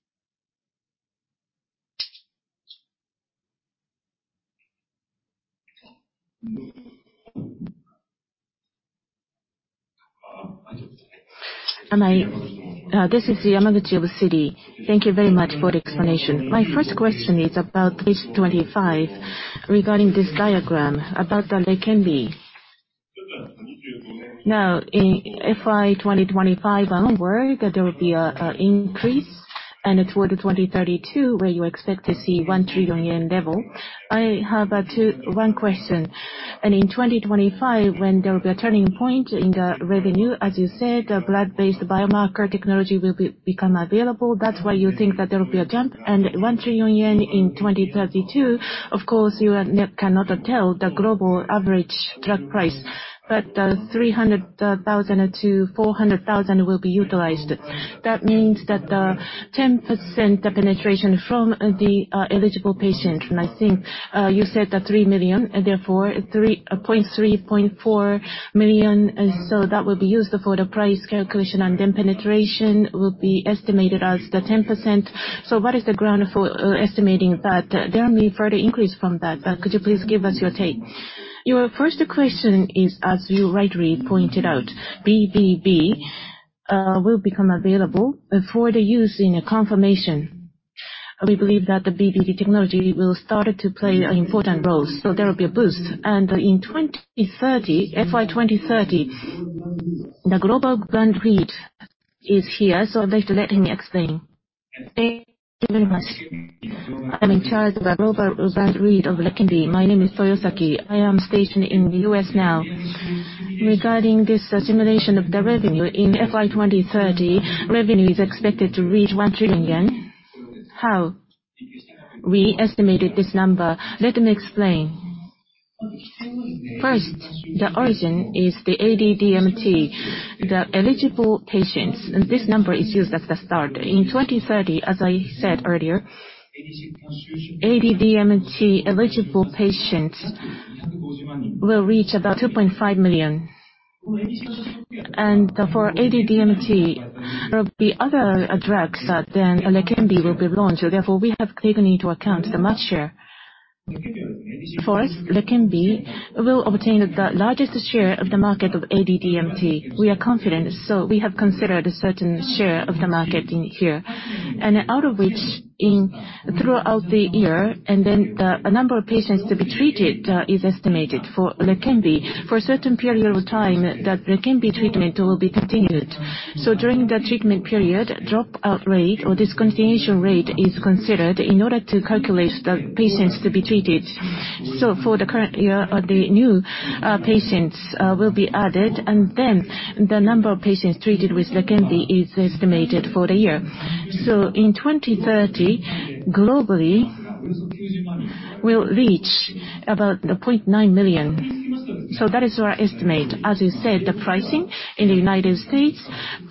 This is Yamaguchi of Citi. Thank you very much for the explanation. My first question is about page 25, regarding this diagram about LEQEMBI. In FY 2025 onward, there will be a increase, and toward 2032, where you expect to see 1 trillion yen level. I have one question. In 2025, when there will be a turning point in the revenue, as you said, blood-based biomarker technology will become available. That's why you think that there will be a jump. 1 trillion yen in 2032, of course you cannot tell the global average drug price. 300,000-400,000 will be utilized. That means that 10% penetration from the eligible patient. I think you said that three million, therefore 3.4 million. That will be used for the price calculation, and then penetration will be estimated as the 10%. What is the ground for estimating that there may further increase from that? Could you please give us your take? Your first question is, as you rightly pointed out, BBB will become available for the use in a confirmation. We believe that the BBB technology will start to play an important role, so there will be a boost. In 2030, FY 2030, the global brand read is here, so I'd like to let him explain. Thank you very much. I'm in charge of the global brand read of LEQEMBI. My name is Toyosaki. I am stationed in the U.S. now. Regarding this simulation of the revenue in FY 2030, revenue is expected to reach 1 trillion yen. How we estimated this number, let me explain. First, the origin is the AD-DMT, the eligible patients. This number is used as the start. In 2030, as I said earlier, AD-DMT eligible patients will reach about 2.5 million. For AD-DMT, there will be other drugs that then LEQEMBI will be launched. Therefore, we have taken into account the market share. For us, LEQEMBI will obtain the largest share of the market of AD-DMT. We are confident, we have considered a certain share of the market in here. Out of which throughout the year, a number of patients to be treated is estimated for LEQEMBI. For a certain period of time, the LEQEMBI treatment will be continued. During the treatment period, drop-out rate or discontinuation rate is considered in order to calculate the patients to be treated. For the current year, the new patients will be added, and the number of patients treated with LEQEMBI is estimated for the year. In 2030, globally will reach about 0.9 million. That is our estimate. As you said, the pricing in the United States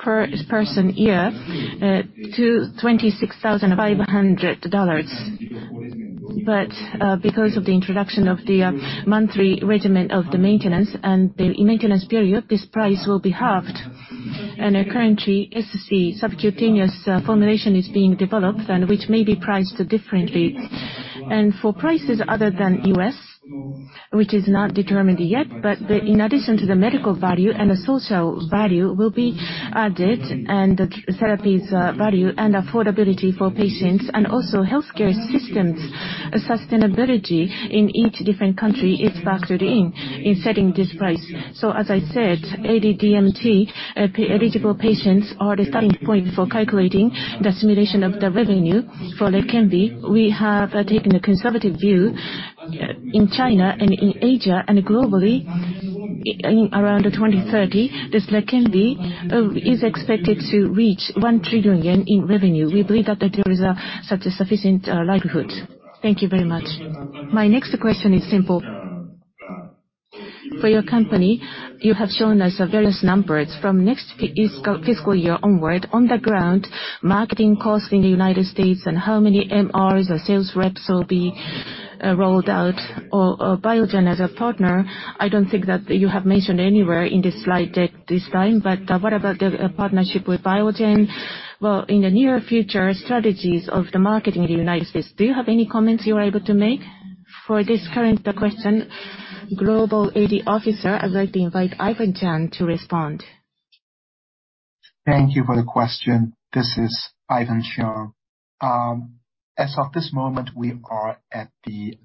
per person year, $26,500. Because of the introduction of the monthly regimen of the maintenance and the maintenance period, this price will be halved. Currently, SC, subcutaneous formulation is being developed which may be priced differently. For prices other than U.S., which is not determined yet, in addition to the medical value and the social value will be added, and the therapy's value and affordability for patients and also healthcare systems' sustainability in each different country is factored in in setting this price. As I said, AD-DMT eligible patients are the starting point for calculating the simulation of the revenue for LEQEMBI. We have taken a conservative view. In China and in Asia and globally. In around 2030, this LEQEMBI is expected to reach 1 trillion yen in revenue. We believe that there is such a sufficient likelihood. Thank you very much. My next question is simple. For your company, you have shown us various numbers. From next fiscal year onward, on the ground, marketing costs in the United States and how many MRs or sales reps will be rolled out. Or Biogen as a partner, I don't think that you have mentioned anywhere in this slide deck this time. What about the partnership with Biogen? Well, in the near future, strategies of the marketing in the United States. Do you have any comments you are able to make? For this current question, global AD officer, I'd like to invite Ivan Cheung to respond. Thank you for the question. This is Ivan Cheung. As of this moment, we are at the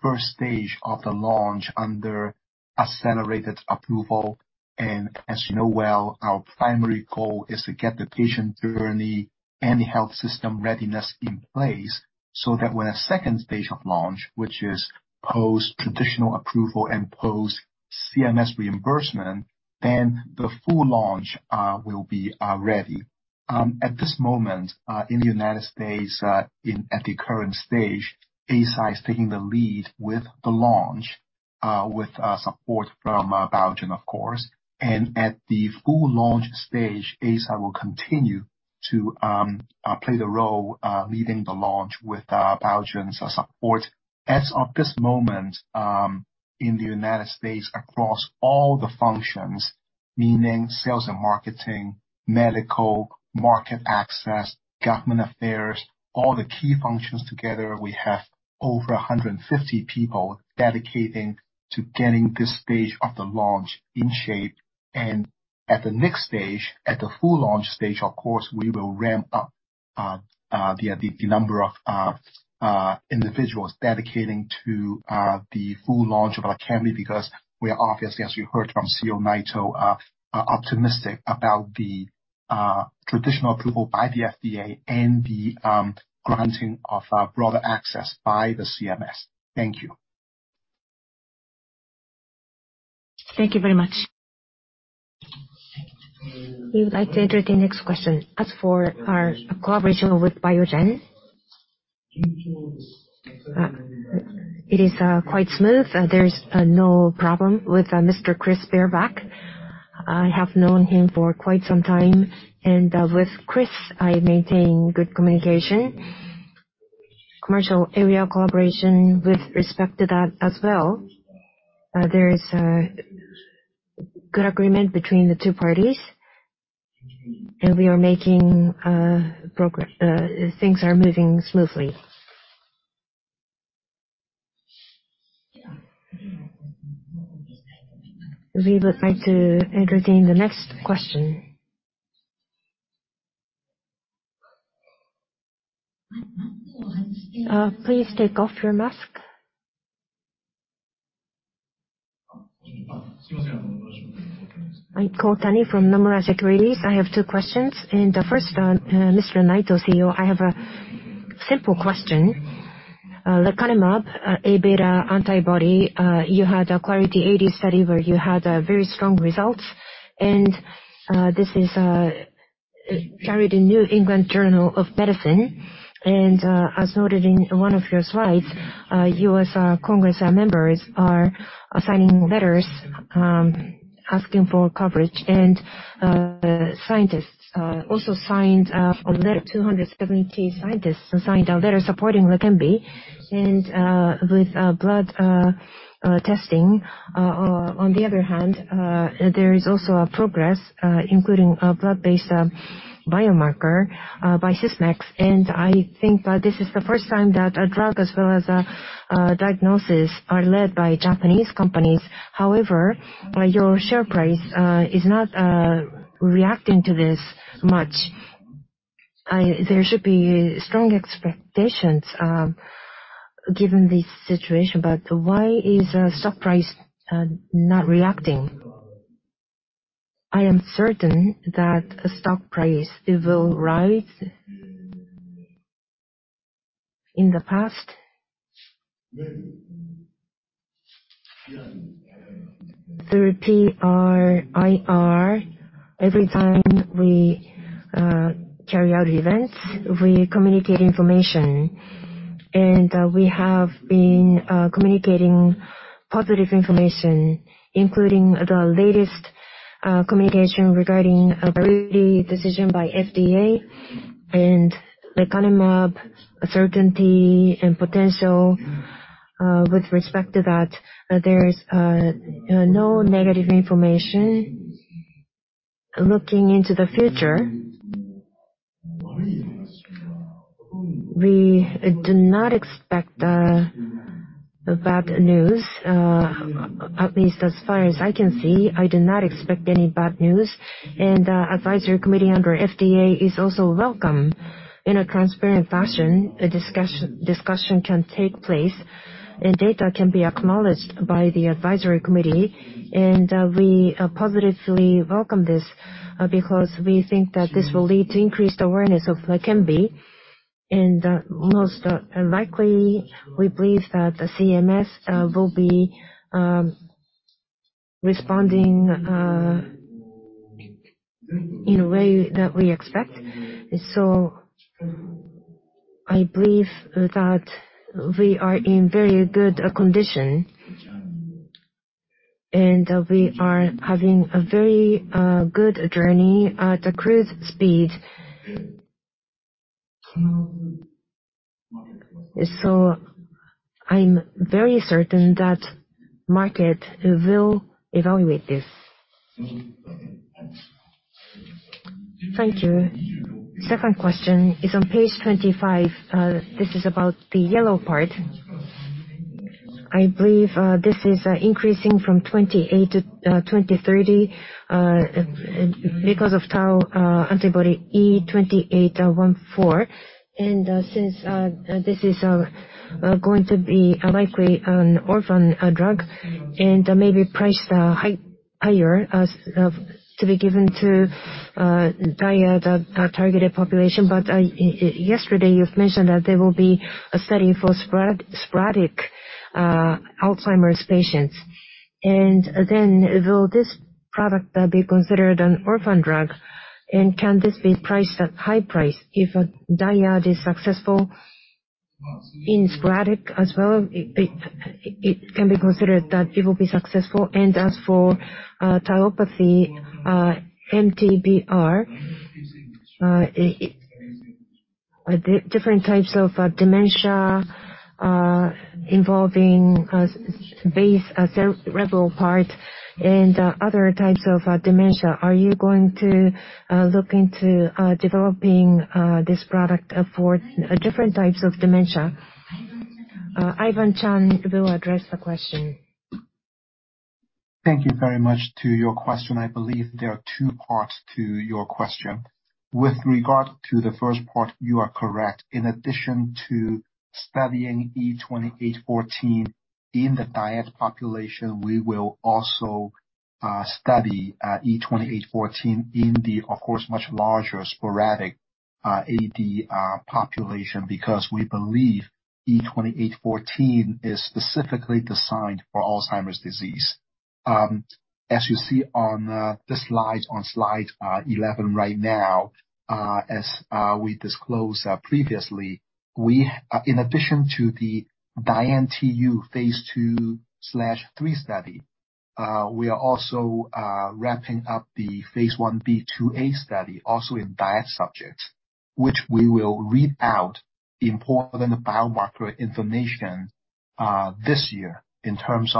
first stage of the launch under Accelerated Approval. As you know well, our primary goal is to get the patient journey and the health system readiness in place so that when a second stage of launch, which is post traditional approval and post CMS reimbursement, then the full launch will be ready. At this moment, in the United States, in, at the current stage, Eisai is taking the lead with the launch with support from Biogen, of course. At the full launch stage, Eisai will continue to play the role leading the launch with Biogen's support. As of this moment, in the United States, across all the functions, meaning sales and marketing, medical, market access, government affairs, all the key functions together, we have over 150 people dedicating to getting this stage of the launch in shape. At the next stage, at the full launch stage, of course, we will ramp up the number of individuals dedicating to the full launch of LEQEMBI because we are obviously, as you heard from CEO Naito, are optimistic about the traditional approval by the FDA and the granting of broader access by the CMS. Thank you. Thank you very much. We would like to entertain next question. As for our collaboration with Biogen, it is quite smooth. There's no problem with Mr. Chris Viehbacher. I have known him for quite some time. With Chris, I maintain good communication. Commercial area of collaboration with respect to that as well. There is good agreement between the two parties, and we are making progress. Things are moving smoothly. We would like to entertain the next question. Please take off your mask. I'm Kotani from Nomura Securities. I have two questions. The first, Mr. Naito, CEO, I have a simple question. Lecanemab, Aβ antibody, you had a Clarity AD study where you had very strong results. This is carried in New England Journal of Medicine. As noted in one of your slides, U.S. Congress members are signing letters asking for coverage. Scientists also signed a letter, 270 scientists signed a letter supporting LEQEMBI. With blood testing, on the other hand, there is also progress, including a blood-based biomarker by Sysmex. I think that this is the first time that a drug as well as a diagnosis are led by Japanese companies. Your share price is not reacting to this much. There should be strong expectations given this situation, but why is stock price not reacting? I am certain that stock price it will rise. In the past, through PR, IR, every time we carry out events, we communicate information. We have been communicating positive information, including the latest communication regarding a variety decision by FDA and lecanemab certainty and potential. With respect to that, there is no negative information. Looking into the future, we do not expect bad news. At least as far as I can see, I do not expect any bad news. Advisory committee under FDA is also welcome. In a transparent fashion, a discussion can take place and data can be acknowledged by the advisory committee. We positively welcome this because we think that this will lead to increased awareness of LEQEMBI. Most likely, we believe that the CMS will be responding in a way that we expect. I believe that we are in very good condition, and we are having a very good journey at a cruise speed. I'm very certain that market will evaluate this. Thank you. Second question is on page 25. This is about the yellow part. I believe this is increasing from 2028 to 2030 because of tau antibody E2814. Since this is going to be likely an orphan drug and maybe priced high, higher as to be given to DIAD targeted population. Yesterday you've mentioned that there will be a study for sporadic Alzheimer's patients. Will this product be considered an orphan drug? Can this be priced at high price if a DIAD is successful in sporadic as well? It can be considered that it will be successful. As for tauopathy, MTBR, different types of dementia, involving base cerebral part and other types of dementia, are you going to look into developing this product for different types of dementia? Ivan Cheung will address the question. Thank you very much to your question. I believe there are two parts to your question. With regard to the first part, you are correct. In addition to studying E2814 in the DIAD population, we will also study E2814 in the, of course, much larger sporadic AD population, because we believe E2814 is specifically designed for Alzheimer's disease. As you see on the slide, on slide 11 right now, as we disclosed previously, In addition to the DIAN-TU phase II/III study, we are also wrapping up the phase I-B/II-A study also in DIAD subjects, which we will read out the important biomarker information this year in terms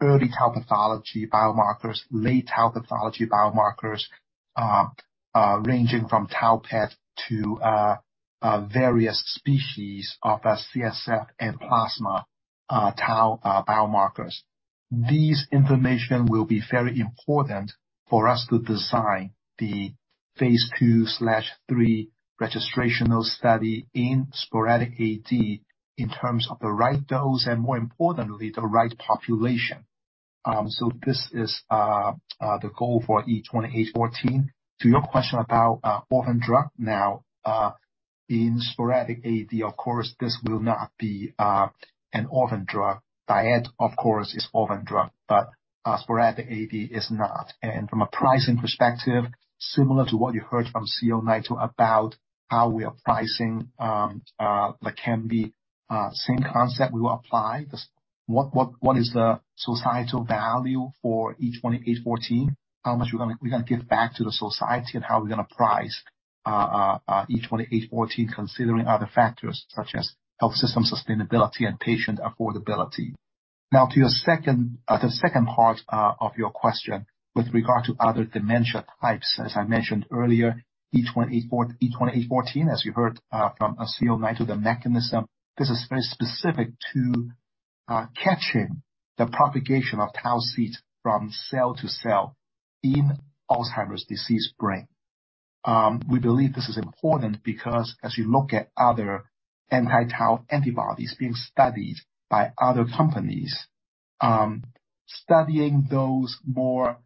of early tau pathology biomarkers, late tau pathology biomarkers, ranging from tau PET to various species of CSF and plasma tau biomarkers. These information will be very important for us to design the phase II/III registrational study in sporadic AD in terms of the right dose and more importantly, the right population. This is the goal for E2814. To your question about orphan drug. In sporadic AD, of course, this will not be an orphan drug. DIAD, of course, is orphan drug, but sporadic AD is not. From a pricing perspective, similar to what you heard from CEO Naito about how we are pricing LEQEMBI, same concept we will apply. What is the societal value for E2814? How much we gonna give back to the society and how we're gonna price E2814, considering other factors such as health system sustainability and patient affordability. To your second part of your question with regard to other dementia types. As I mentioned earlier, E2814, as you heard from CEO Naito, the mechanism, this is very specific to catching the propagation of tau seeds from cell to cell in Alzheimer's disease brain. We believe this is important because as you look at other anti-tau antibodies being studied by other companies, studying those more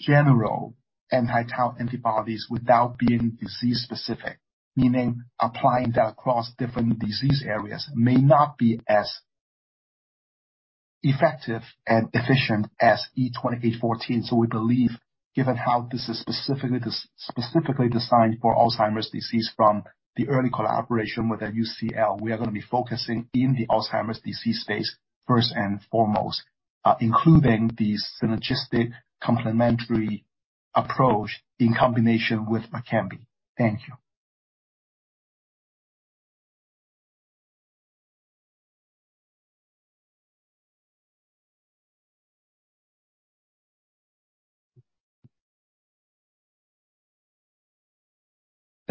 general anti-tau antibodies without being disease specific. Meaning applying that across different disease areas may not be as effective and efficient as E2814. We believe, given how this is specifically designed for Alzheimer's disease from the early collaboration with UCL, we are gonna be focusing in the Alzheimer's disease space first and foremost, including the synergistic complementary approach in combination with LEQEMBI. Thank you.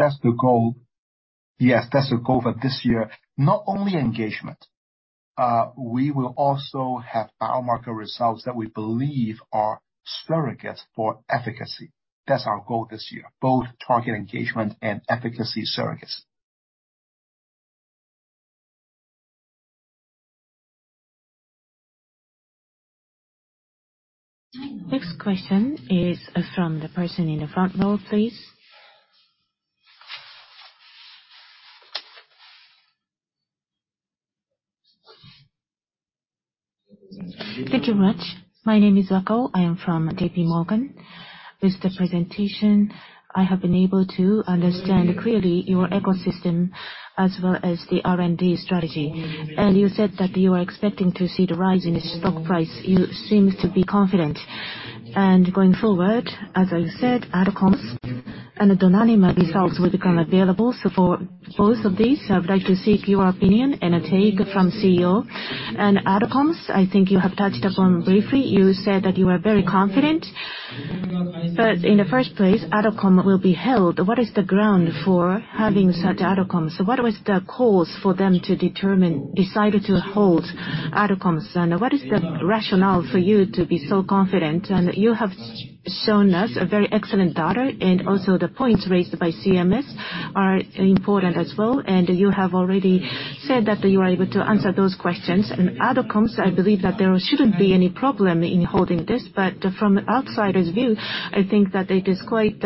[inaudible] That's the goal. Yes, that's the goal for this year. Not only engagement, we will also have biomarker results that we believe are surrogates for efficacy. That's our goal this year. Both target engagement and efficacy surrogates. Next question is from the person in the front row, please. Thank you much. My name is Wakao, I am from JP Morgan. With the presentation, I have been able to understand clearly your ecosystem as well as the R&D strategy. You said that you are expecting to see the rise in the stock price. You seems to be confident. Going forward, as I said, AdComs and the donanemab results will become available. For both of these, I would like to seek your opinion and a take from CEO. AdComs, I think you have touched upon briefly. You said that you are very confident. In the first place, AdCom will be held. What is the ground for having such AdComs? What was the cause for them to decide to hold AdComs? What is the rationale for you to be so confident? You have shown us a very excellent data, and also the points raised by CMS are important as well. You have already said that you are able to answer those questions. AdComs, I believe that there shouldn't be any problem in holding this. From an outsider's view, I think that it is quite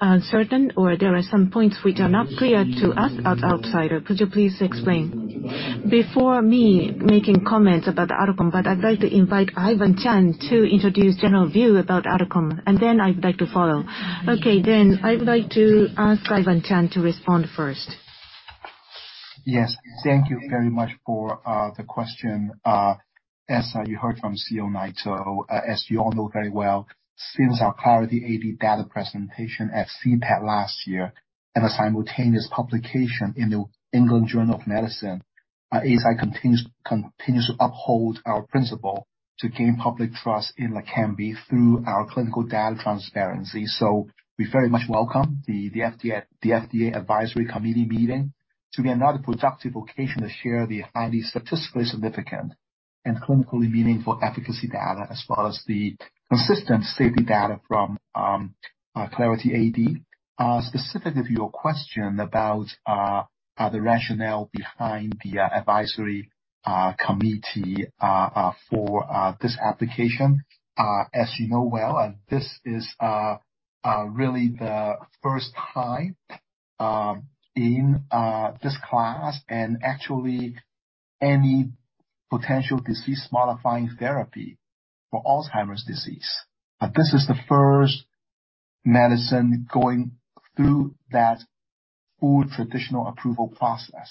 uncertain or there are some points which are not clear to us as outsider. Could you please explain? Before me making comments about AdCom, I'd like to invite Ivan Cheung to introduce general view about AdCom, and then I'd like to follow. Okay, I would like to ask Ivan Cheung to respond first. Yes. Thank you very much for the question. As you heard from CEO Naito, as you all know very well, since our Clarity AD data presentation at CTAD last year, and a simultaneous publication in the New England Journal of Medicine, Eisai continues to uphold our principle to gain public trust in lecanemab through our clinical data transparency. We very much welcome the FDA advisory committee meeting to be another productive occasion to share the highly statistically significant and clinically meaningful efficacy data, as well as the consistent safety data from Clarity AD. Specific of your question about the rationale behind the advisory committee for this application. As you know well, this is really the first time in this class, and actually any potential disease modifying therapy for Alzheimer's disease. This is the first medicine going through that full traditional approval process.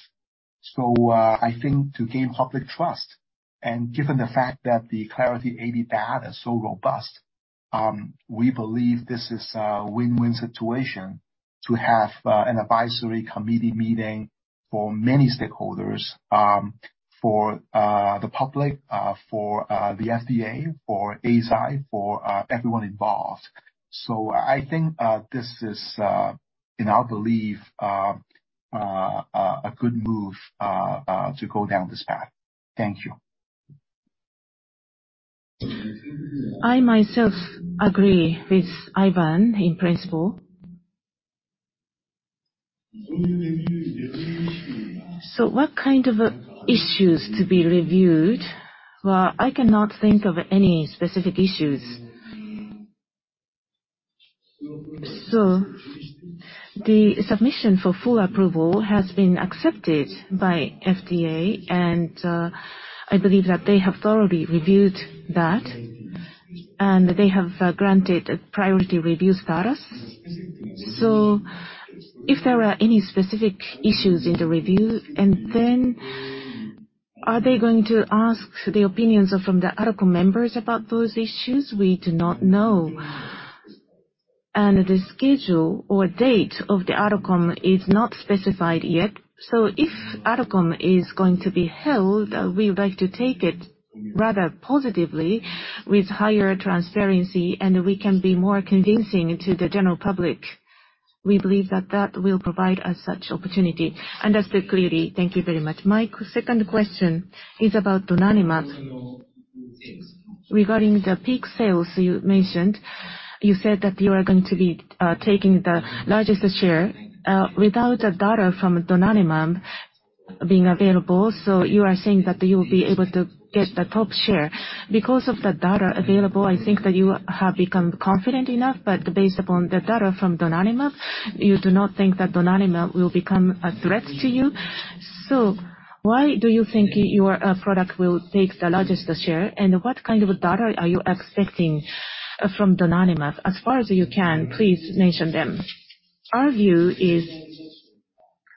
I think to gain public trust, and given the fact that the Clarity AD data is so robust, we believe this is a win-win situation to have an advisory committee meeting for many stakeholders, for the public, for the FDA, for Eisai, for everyone involved. I think this is in our belief a good move to go down this path. Thank you. I myself agree with Ivan in principle. What kind of issues to be reviewed? Well, I cannot think of any specific issues. The submission for full approval has been accepted by FDA, and I believe that they have thoroughly reviewed that, and they have granted a priority review status. If there are any specific issues in the review, are they going to ask the opinions from the AdCom members about those issues? We do not know. The schedule or date of the AdCom is not specified yet. If AdCom is going to be held, we would like to take it rather positively with higher transparency, and we can be more convincing to the general public. We believe that that will provide us such opportunity. Understood clearly. Thank you very much. My second question is about donanemab. Regarding the peak sales you mentioned, you said that you are going to be taking the largest share without the data from donanemab being available. You are saying that you will be able to get the top share. Because of the data available, I think that you have become confident enough, but based upon the data from donanemab, you do not think that donanemab will become a threat to you. Why do you think your product will take the largest share? What kind of data are you expecting from donanemab? As far as you can, please mention them. Our view is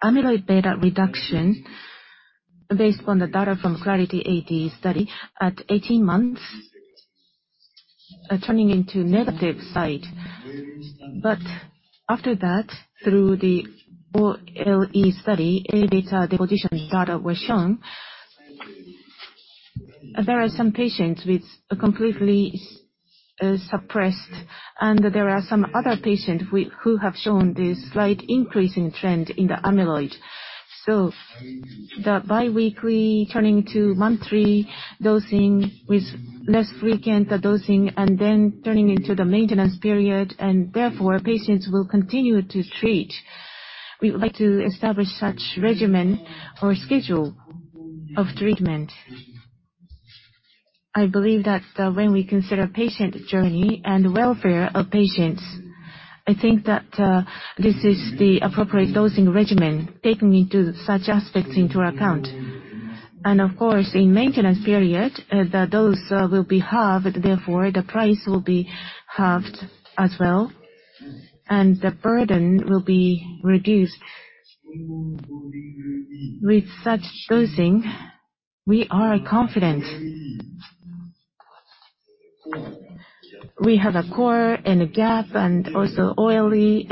amyloid beta reduction based on the data from Clarity AD study at 18 months turning into negative side. After that, through the OLE study, A-beta deposition data were shown. There are some patients with a completely suppressed, and there are some other patient who have shown this slight increasing trend in the amyloid. The bi-weekly turning to monthly dosing with less frequent dosing, and then turning into the maintenance period, and therefore patients will continue to treat. We would like to establish such regimen or schedule of treatment. I believe that, when we consider patient journey and welfare of patients, I think that, this is the appropriate dosing regimen taking into such aspects into account. Of course, in maintenance period, the dose will be halved, therefore the price will be halved as well, and the burden will be reduced. With such dosing, we are confident. We have a core and a gap and also oily.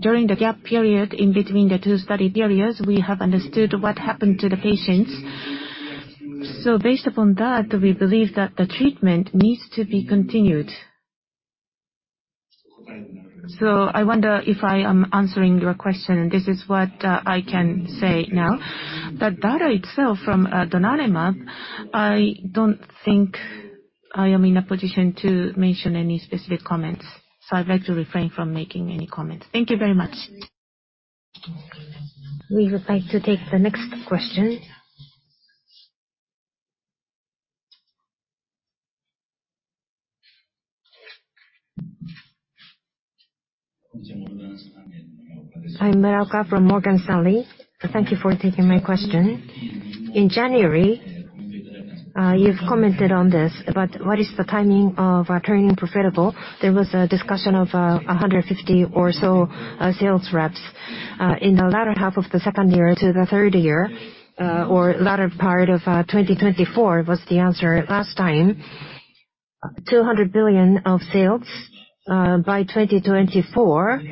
During the gap period in between the two study periods, we have understood what happened to the patients. Based upon that, we believe that the treatment needs to be continued. I wonder if I am answering your question. This is what I can say now. The data itself from donanemab, I don't think I am in a position to mention any specific comments, so I'd like to refrain from making any comments. Thank you very much. We would like to take the next question. I'm Muraoka from Morgan Stanley. Thank you for taking my question. In January, you've commented on this. What is the timing of turning profitable? There was a discussion of 150 or so sales reps in the latter half of the second year to the third year, or latter part of 2024 was the answer last time. 200 billion of sales by 2024.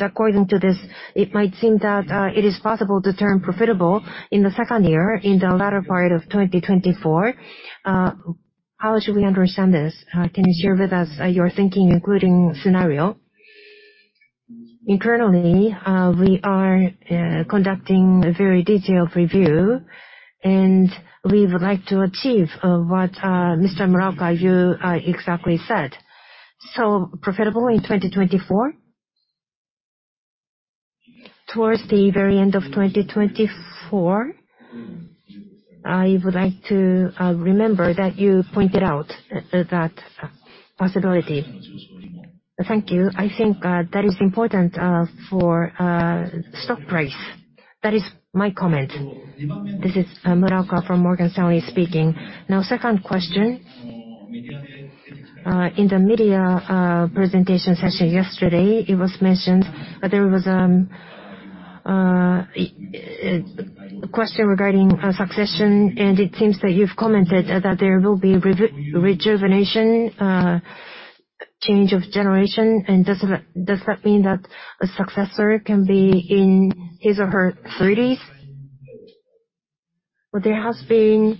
According to this, it might seem that it is possible to turn profitable in the second year in the latter part of 2024. How should we understand this? Can you share with us your thinking including scenario? Internally, we are conducting a very detailed review, and we would like to achieve what Mr. Muraoka, you exactly said. profitable in 2024? Towards the very end of 2024. I would like to remember that you pointed out that possibility. Thank you. I think that is important for stock price. That is my comment. This is Muraoka from Morgan Stanley speaking. Second question. In the media presentation session yesterday, it was mentioned that there was a question regarding a succession. It seems that you've commented that there will be rejuvenation, change of generation. Does that mean that a successor can be in his or her 30s? There has been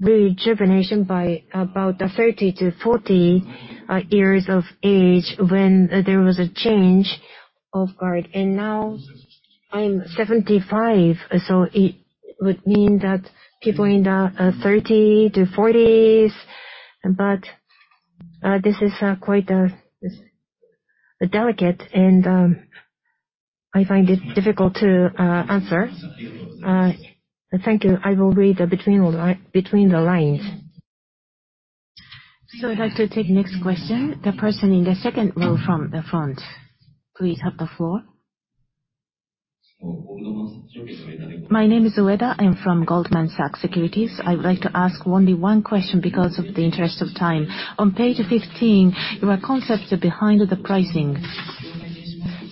rejuvenation by about 30-40 years of age when there was a change of guard. Now I'm 75, so it would mean that people in their 30s-40s. This is quite delicate, and I find it difficult to answer. Thank you. I will read between the lines. I'd like to take next question. The person in the second row from the front, please have the floor. My name is Ueda. I'm from Goldman Sachs Securities. I would like to ask only one question because of the interest of time. On page 15, your concepts behind the pricing.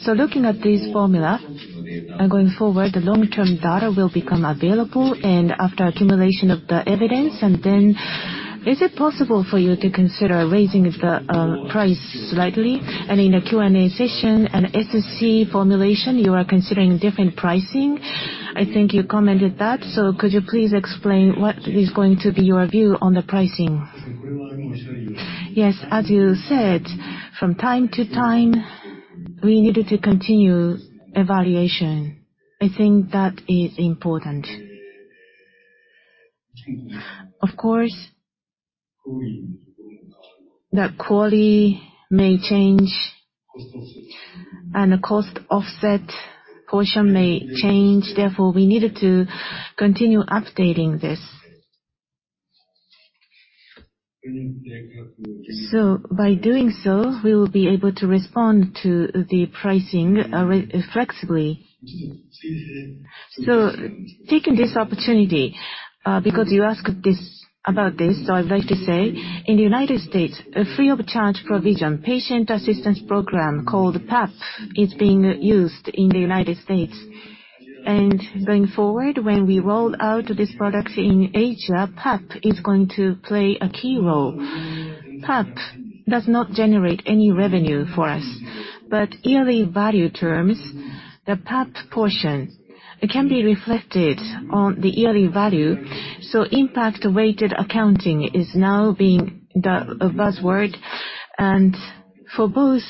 Looking at this formula and going forward, the long-term data will become available and after accumulation of the evidence. Is it possible for you to consider raising the price slightly? In the Q&A session and SC formulation, you are considering different pricing. I think you commented that. Could you please explain what is going to be your view on the pricing? Yes. As you said, from time to time, we needed to continue evaluation. I think that is important. Of course, the quality may change and the cost offset portion may change, therefore we needed to continue updating this. By doing so, we will be able to respond to the pricing flexibly. Taking this opportunity, because you asked this, about this, I'd like to say, in the United States, a free of charge provision, patient assistance program called PAP, is being used in the United States. Going forward, when we roll out this product in Asia, PAP is going to play a key role. PAP does not generate any revenue for us. Yearly value terms, the PAP portion can be reflected on the yearly value. Impact-weighted accounting is now being the, a buzzword. For both,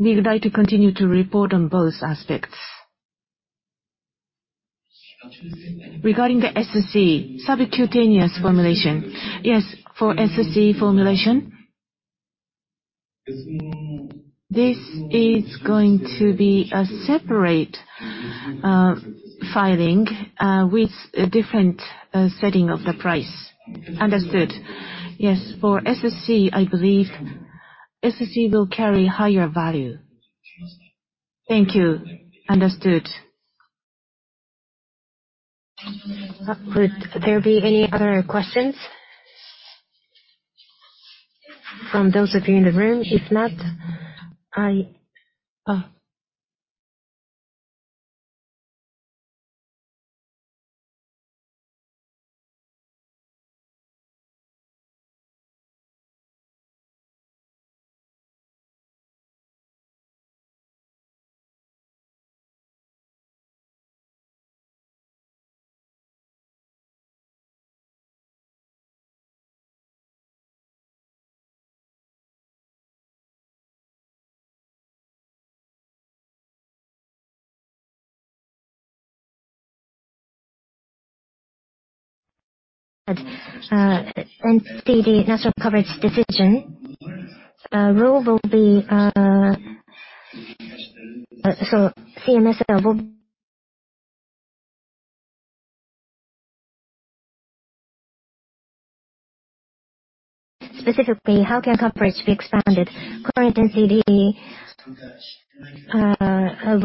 we would like to continue to report on both aspects. Regarding the SSC, subcutaneous formulation. Yes, for SSC formulation. This is going to be a separate filing with a different setting of the price. Understood. Yes. For SC, I believe SC will carry higher value. Thank you. Understood. Would there be any other questions from those of you in the room? If not. Oh. [inaudible] The national coverage decision rule will be. Specifically, how can coverage be expanded? Current NCD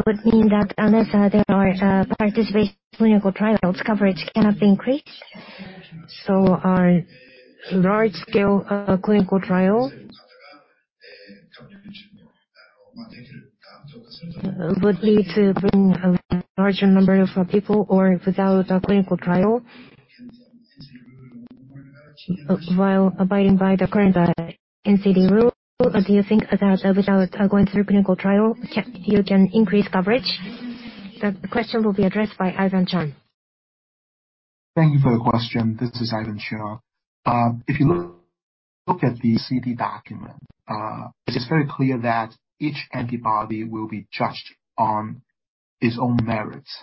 would mean that unless there are participation clinical trials, coverage cannot be increased. Our large-scale clinical trial would need to bring a larger number of people, or without a clinical trial, while abiding by the current NCD rule, do you think that without going through clinical trial, you can increase coverage? The question will be addressed by Ivan Cheung. Thank you for the question. This is Ivan Cheung. If you look at the CED document, it is very clear that each antibody will be judged on its own merits.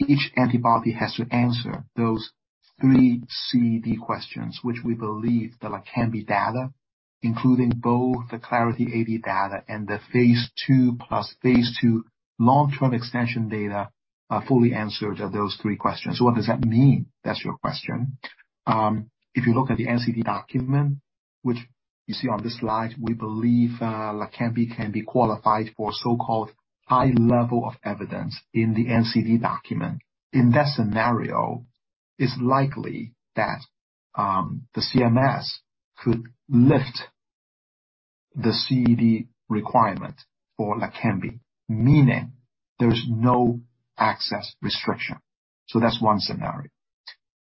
Each antibody has to answer those three CED questions, which we believe the LEQEMBI data, including both the Clarity AD data and the phase II plus phase II long-term extension data, fully answered of those three questions. What does that mean? That's your question. If you look at the NCD document, which you see on this slide, we believe LEQEMBI can be qualified for so-called high level of evidence in the NCD document. In that scenario, it's likely that the CMS could lift the CED requirement for LEQEMBI, meaning there's no access restriction. That's one scenario.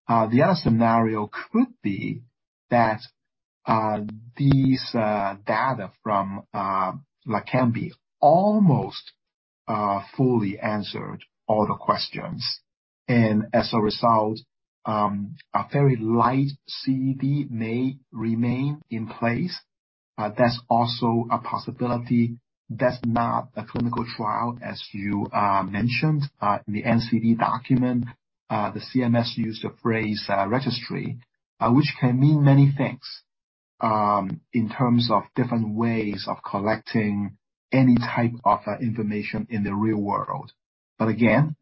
The other scenario could be that these data from LEQEMBI almost fully answered all the questions. As a result, a very light CED may remain in place. That's also a possibility. That's not a clinical trial, as you mentioned. In the NCD document, the CMS used the phrase registry, which can mean many things in terms of different ways of collecting any type of information in the real world. Again,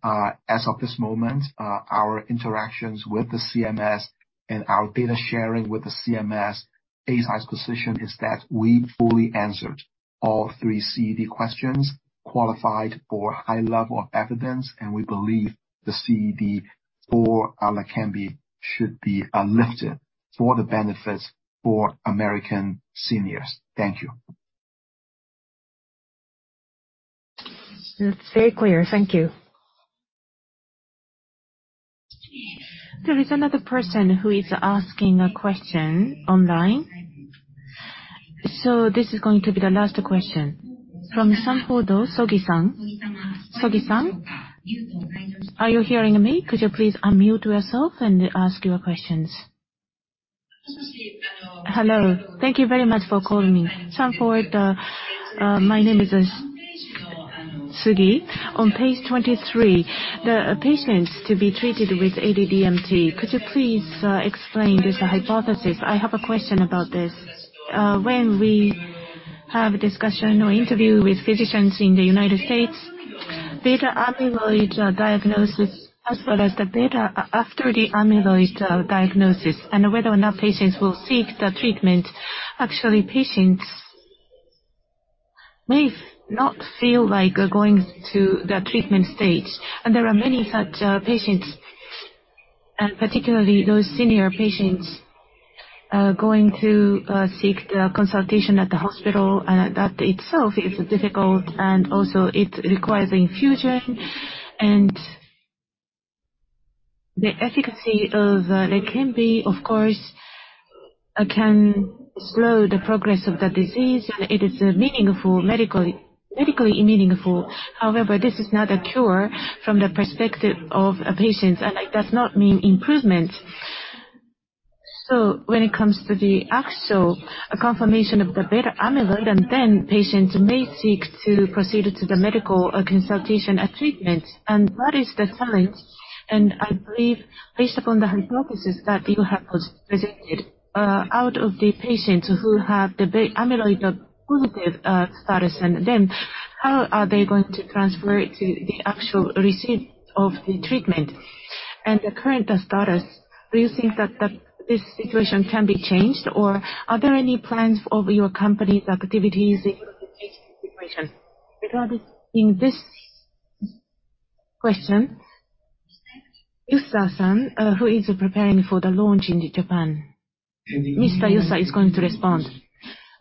as of this moment, our interactions with the CMS and our data sharing with the CMS, Eisai's position is that we fully answered all three CED questions, qualified for high level of evidence, and we believe the CED for LEQEMBI should be lifted for the benefits for American seniors. Thank you. That's very clear. Thank you. There is another person who is asking a question online. This is going to be the last question. From Sanford Sogi-san. Sogi-san, are you hearing me? Could you please unmute yourself and ask your questions? Hello. Thank you very much for calling me. Sanford, my name is Sogi. On page 23, the patients to be treated with AD-DMT, could you please explain this hypothesis? I have a question about this. When we have discussion or interview with physicians in the United States, beta amyloid diagnosis, as well as the beta after the amyloid diagnosis and whether or not patients will seek the treatment, actually patients may not feel like going to the treatment stage. There are many such patients, and particularly those senior patients going to seek the consultation at the hospital. That itself is difficult. Also it requires infusion. The efficacy of LEQEMBI, of course, can slow the progress of the disease. It is meaningful, medically meaningful. However, this is not a cure from the perspective of a patient. It does not mean improvement. When it comes to the actual confirmation of the beta amyloid, then patients may seek to proceed to the medical consultation and treatment. What is the challenge? I believe based upon the hypothesis that you have presented, out of the patients who have the beta amyloid positive status, then how are they going to transfer it to the actual receipt of the treatment and the current status? Do you think that this situation can be changed, or are there any plans of your company's activities in order to change the situation? Regarding this question, Yusa-san, who is preparing for the launch in Japan. Mr. Yusa is going to respond.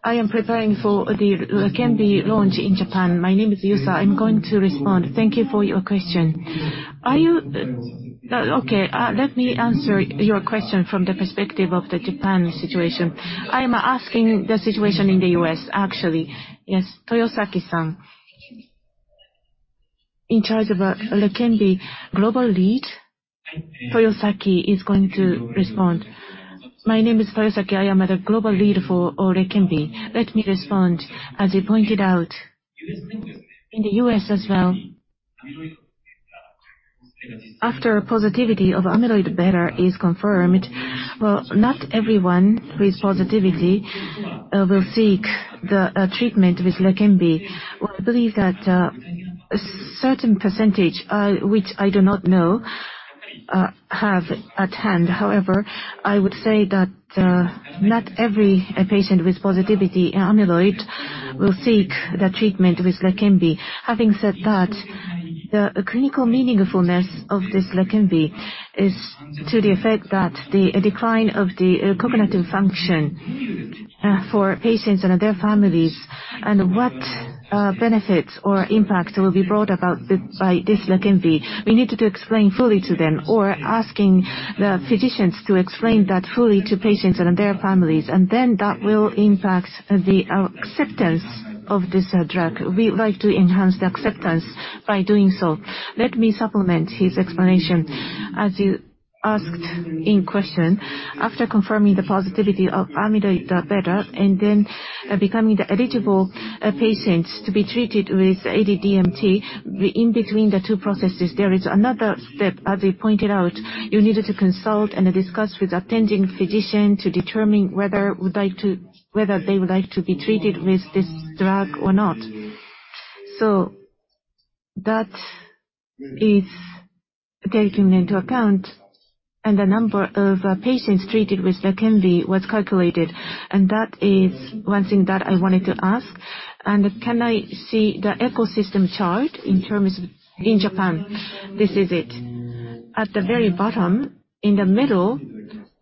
I am preparing for the LEQEMBI launch in Japan. My name is Yusa. I'm going to respond. Thank you for your question. Okay. Let me answer your question from the perspective of the Japan situation. I am asking the situation in the U.S. actually. Yes. Toyosaki-san. In charge of LEQEMBI global lead. Toyosaki is going to respond. My name is Toyosaki. I am the global lead for LEQEMBI. Let me respond. As you pointed out, in the U.S. as well, after positivity of amyloid beta is confirmed, well, not everyone with positivity will seek the treatment with LEQEMBI. We believe that a certain percentage, which I do not know, have at hand. However, I would say that not every patient with positivity amyloid will seek the treatment with LEQEMBI. Having said that, the clinical meaningfulness of this LEQEMBI is to the effect that the decline of the cognitive function for patients and their families and what benefits or impacts will be brought about by this LEQEMBI. We need to explain fully to them or asking the physicians to explain that fully to patients and their families, and then that will impact the acceptance of this drug. We would like to enhance the acceptance by doing so. Let me supplement his explanation. As you asked in question, after confirming the positivity of amyloid-beta and then becoming the eligible patients to be treated with AD-DMT, in between the two processes, there is another step. As you pointed out, you needed to consult and discuss with attending physician to determine whether they would like to be treated with this drug or not. That is taken into account. The number of patients treated with LEQEMBI was calculated. That is one thing that I wanted to ask. Can I see the ecosystem chart in terms of in Japan? This is it. At the very bottom, in the middle,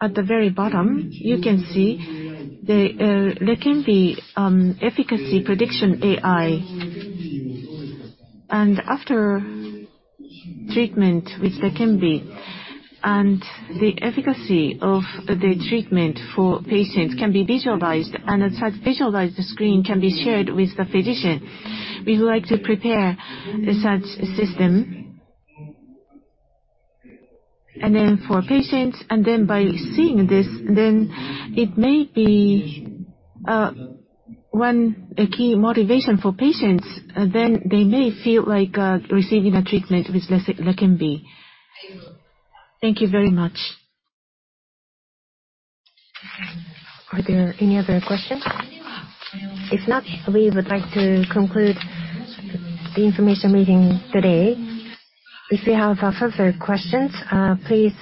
at the very bottom, you can see the LEQEMBI efficacy prediction AI. After treatment with LEQEMBI and the efficacy of the treatment for patients can be visualized and such visualized screen can be shared with the physician. We would like to prepare such system. For patients, then by seeing this, then it may be one key motivation for patients. they may feel like receiving a treatment with LEQEMBI. Thank you very much. Are there any other questions? If not, we would like to conclude the information meeting today. If you have further questions, please.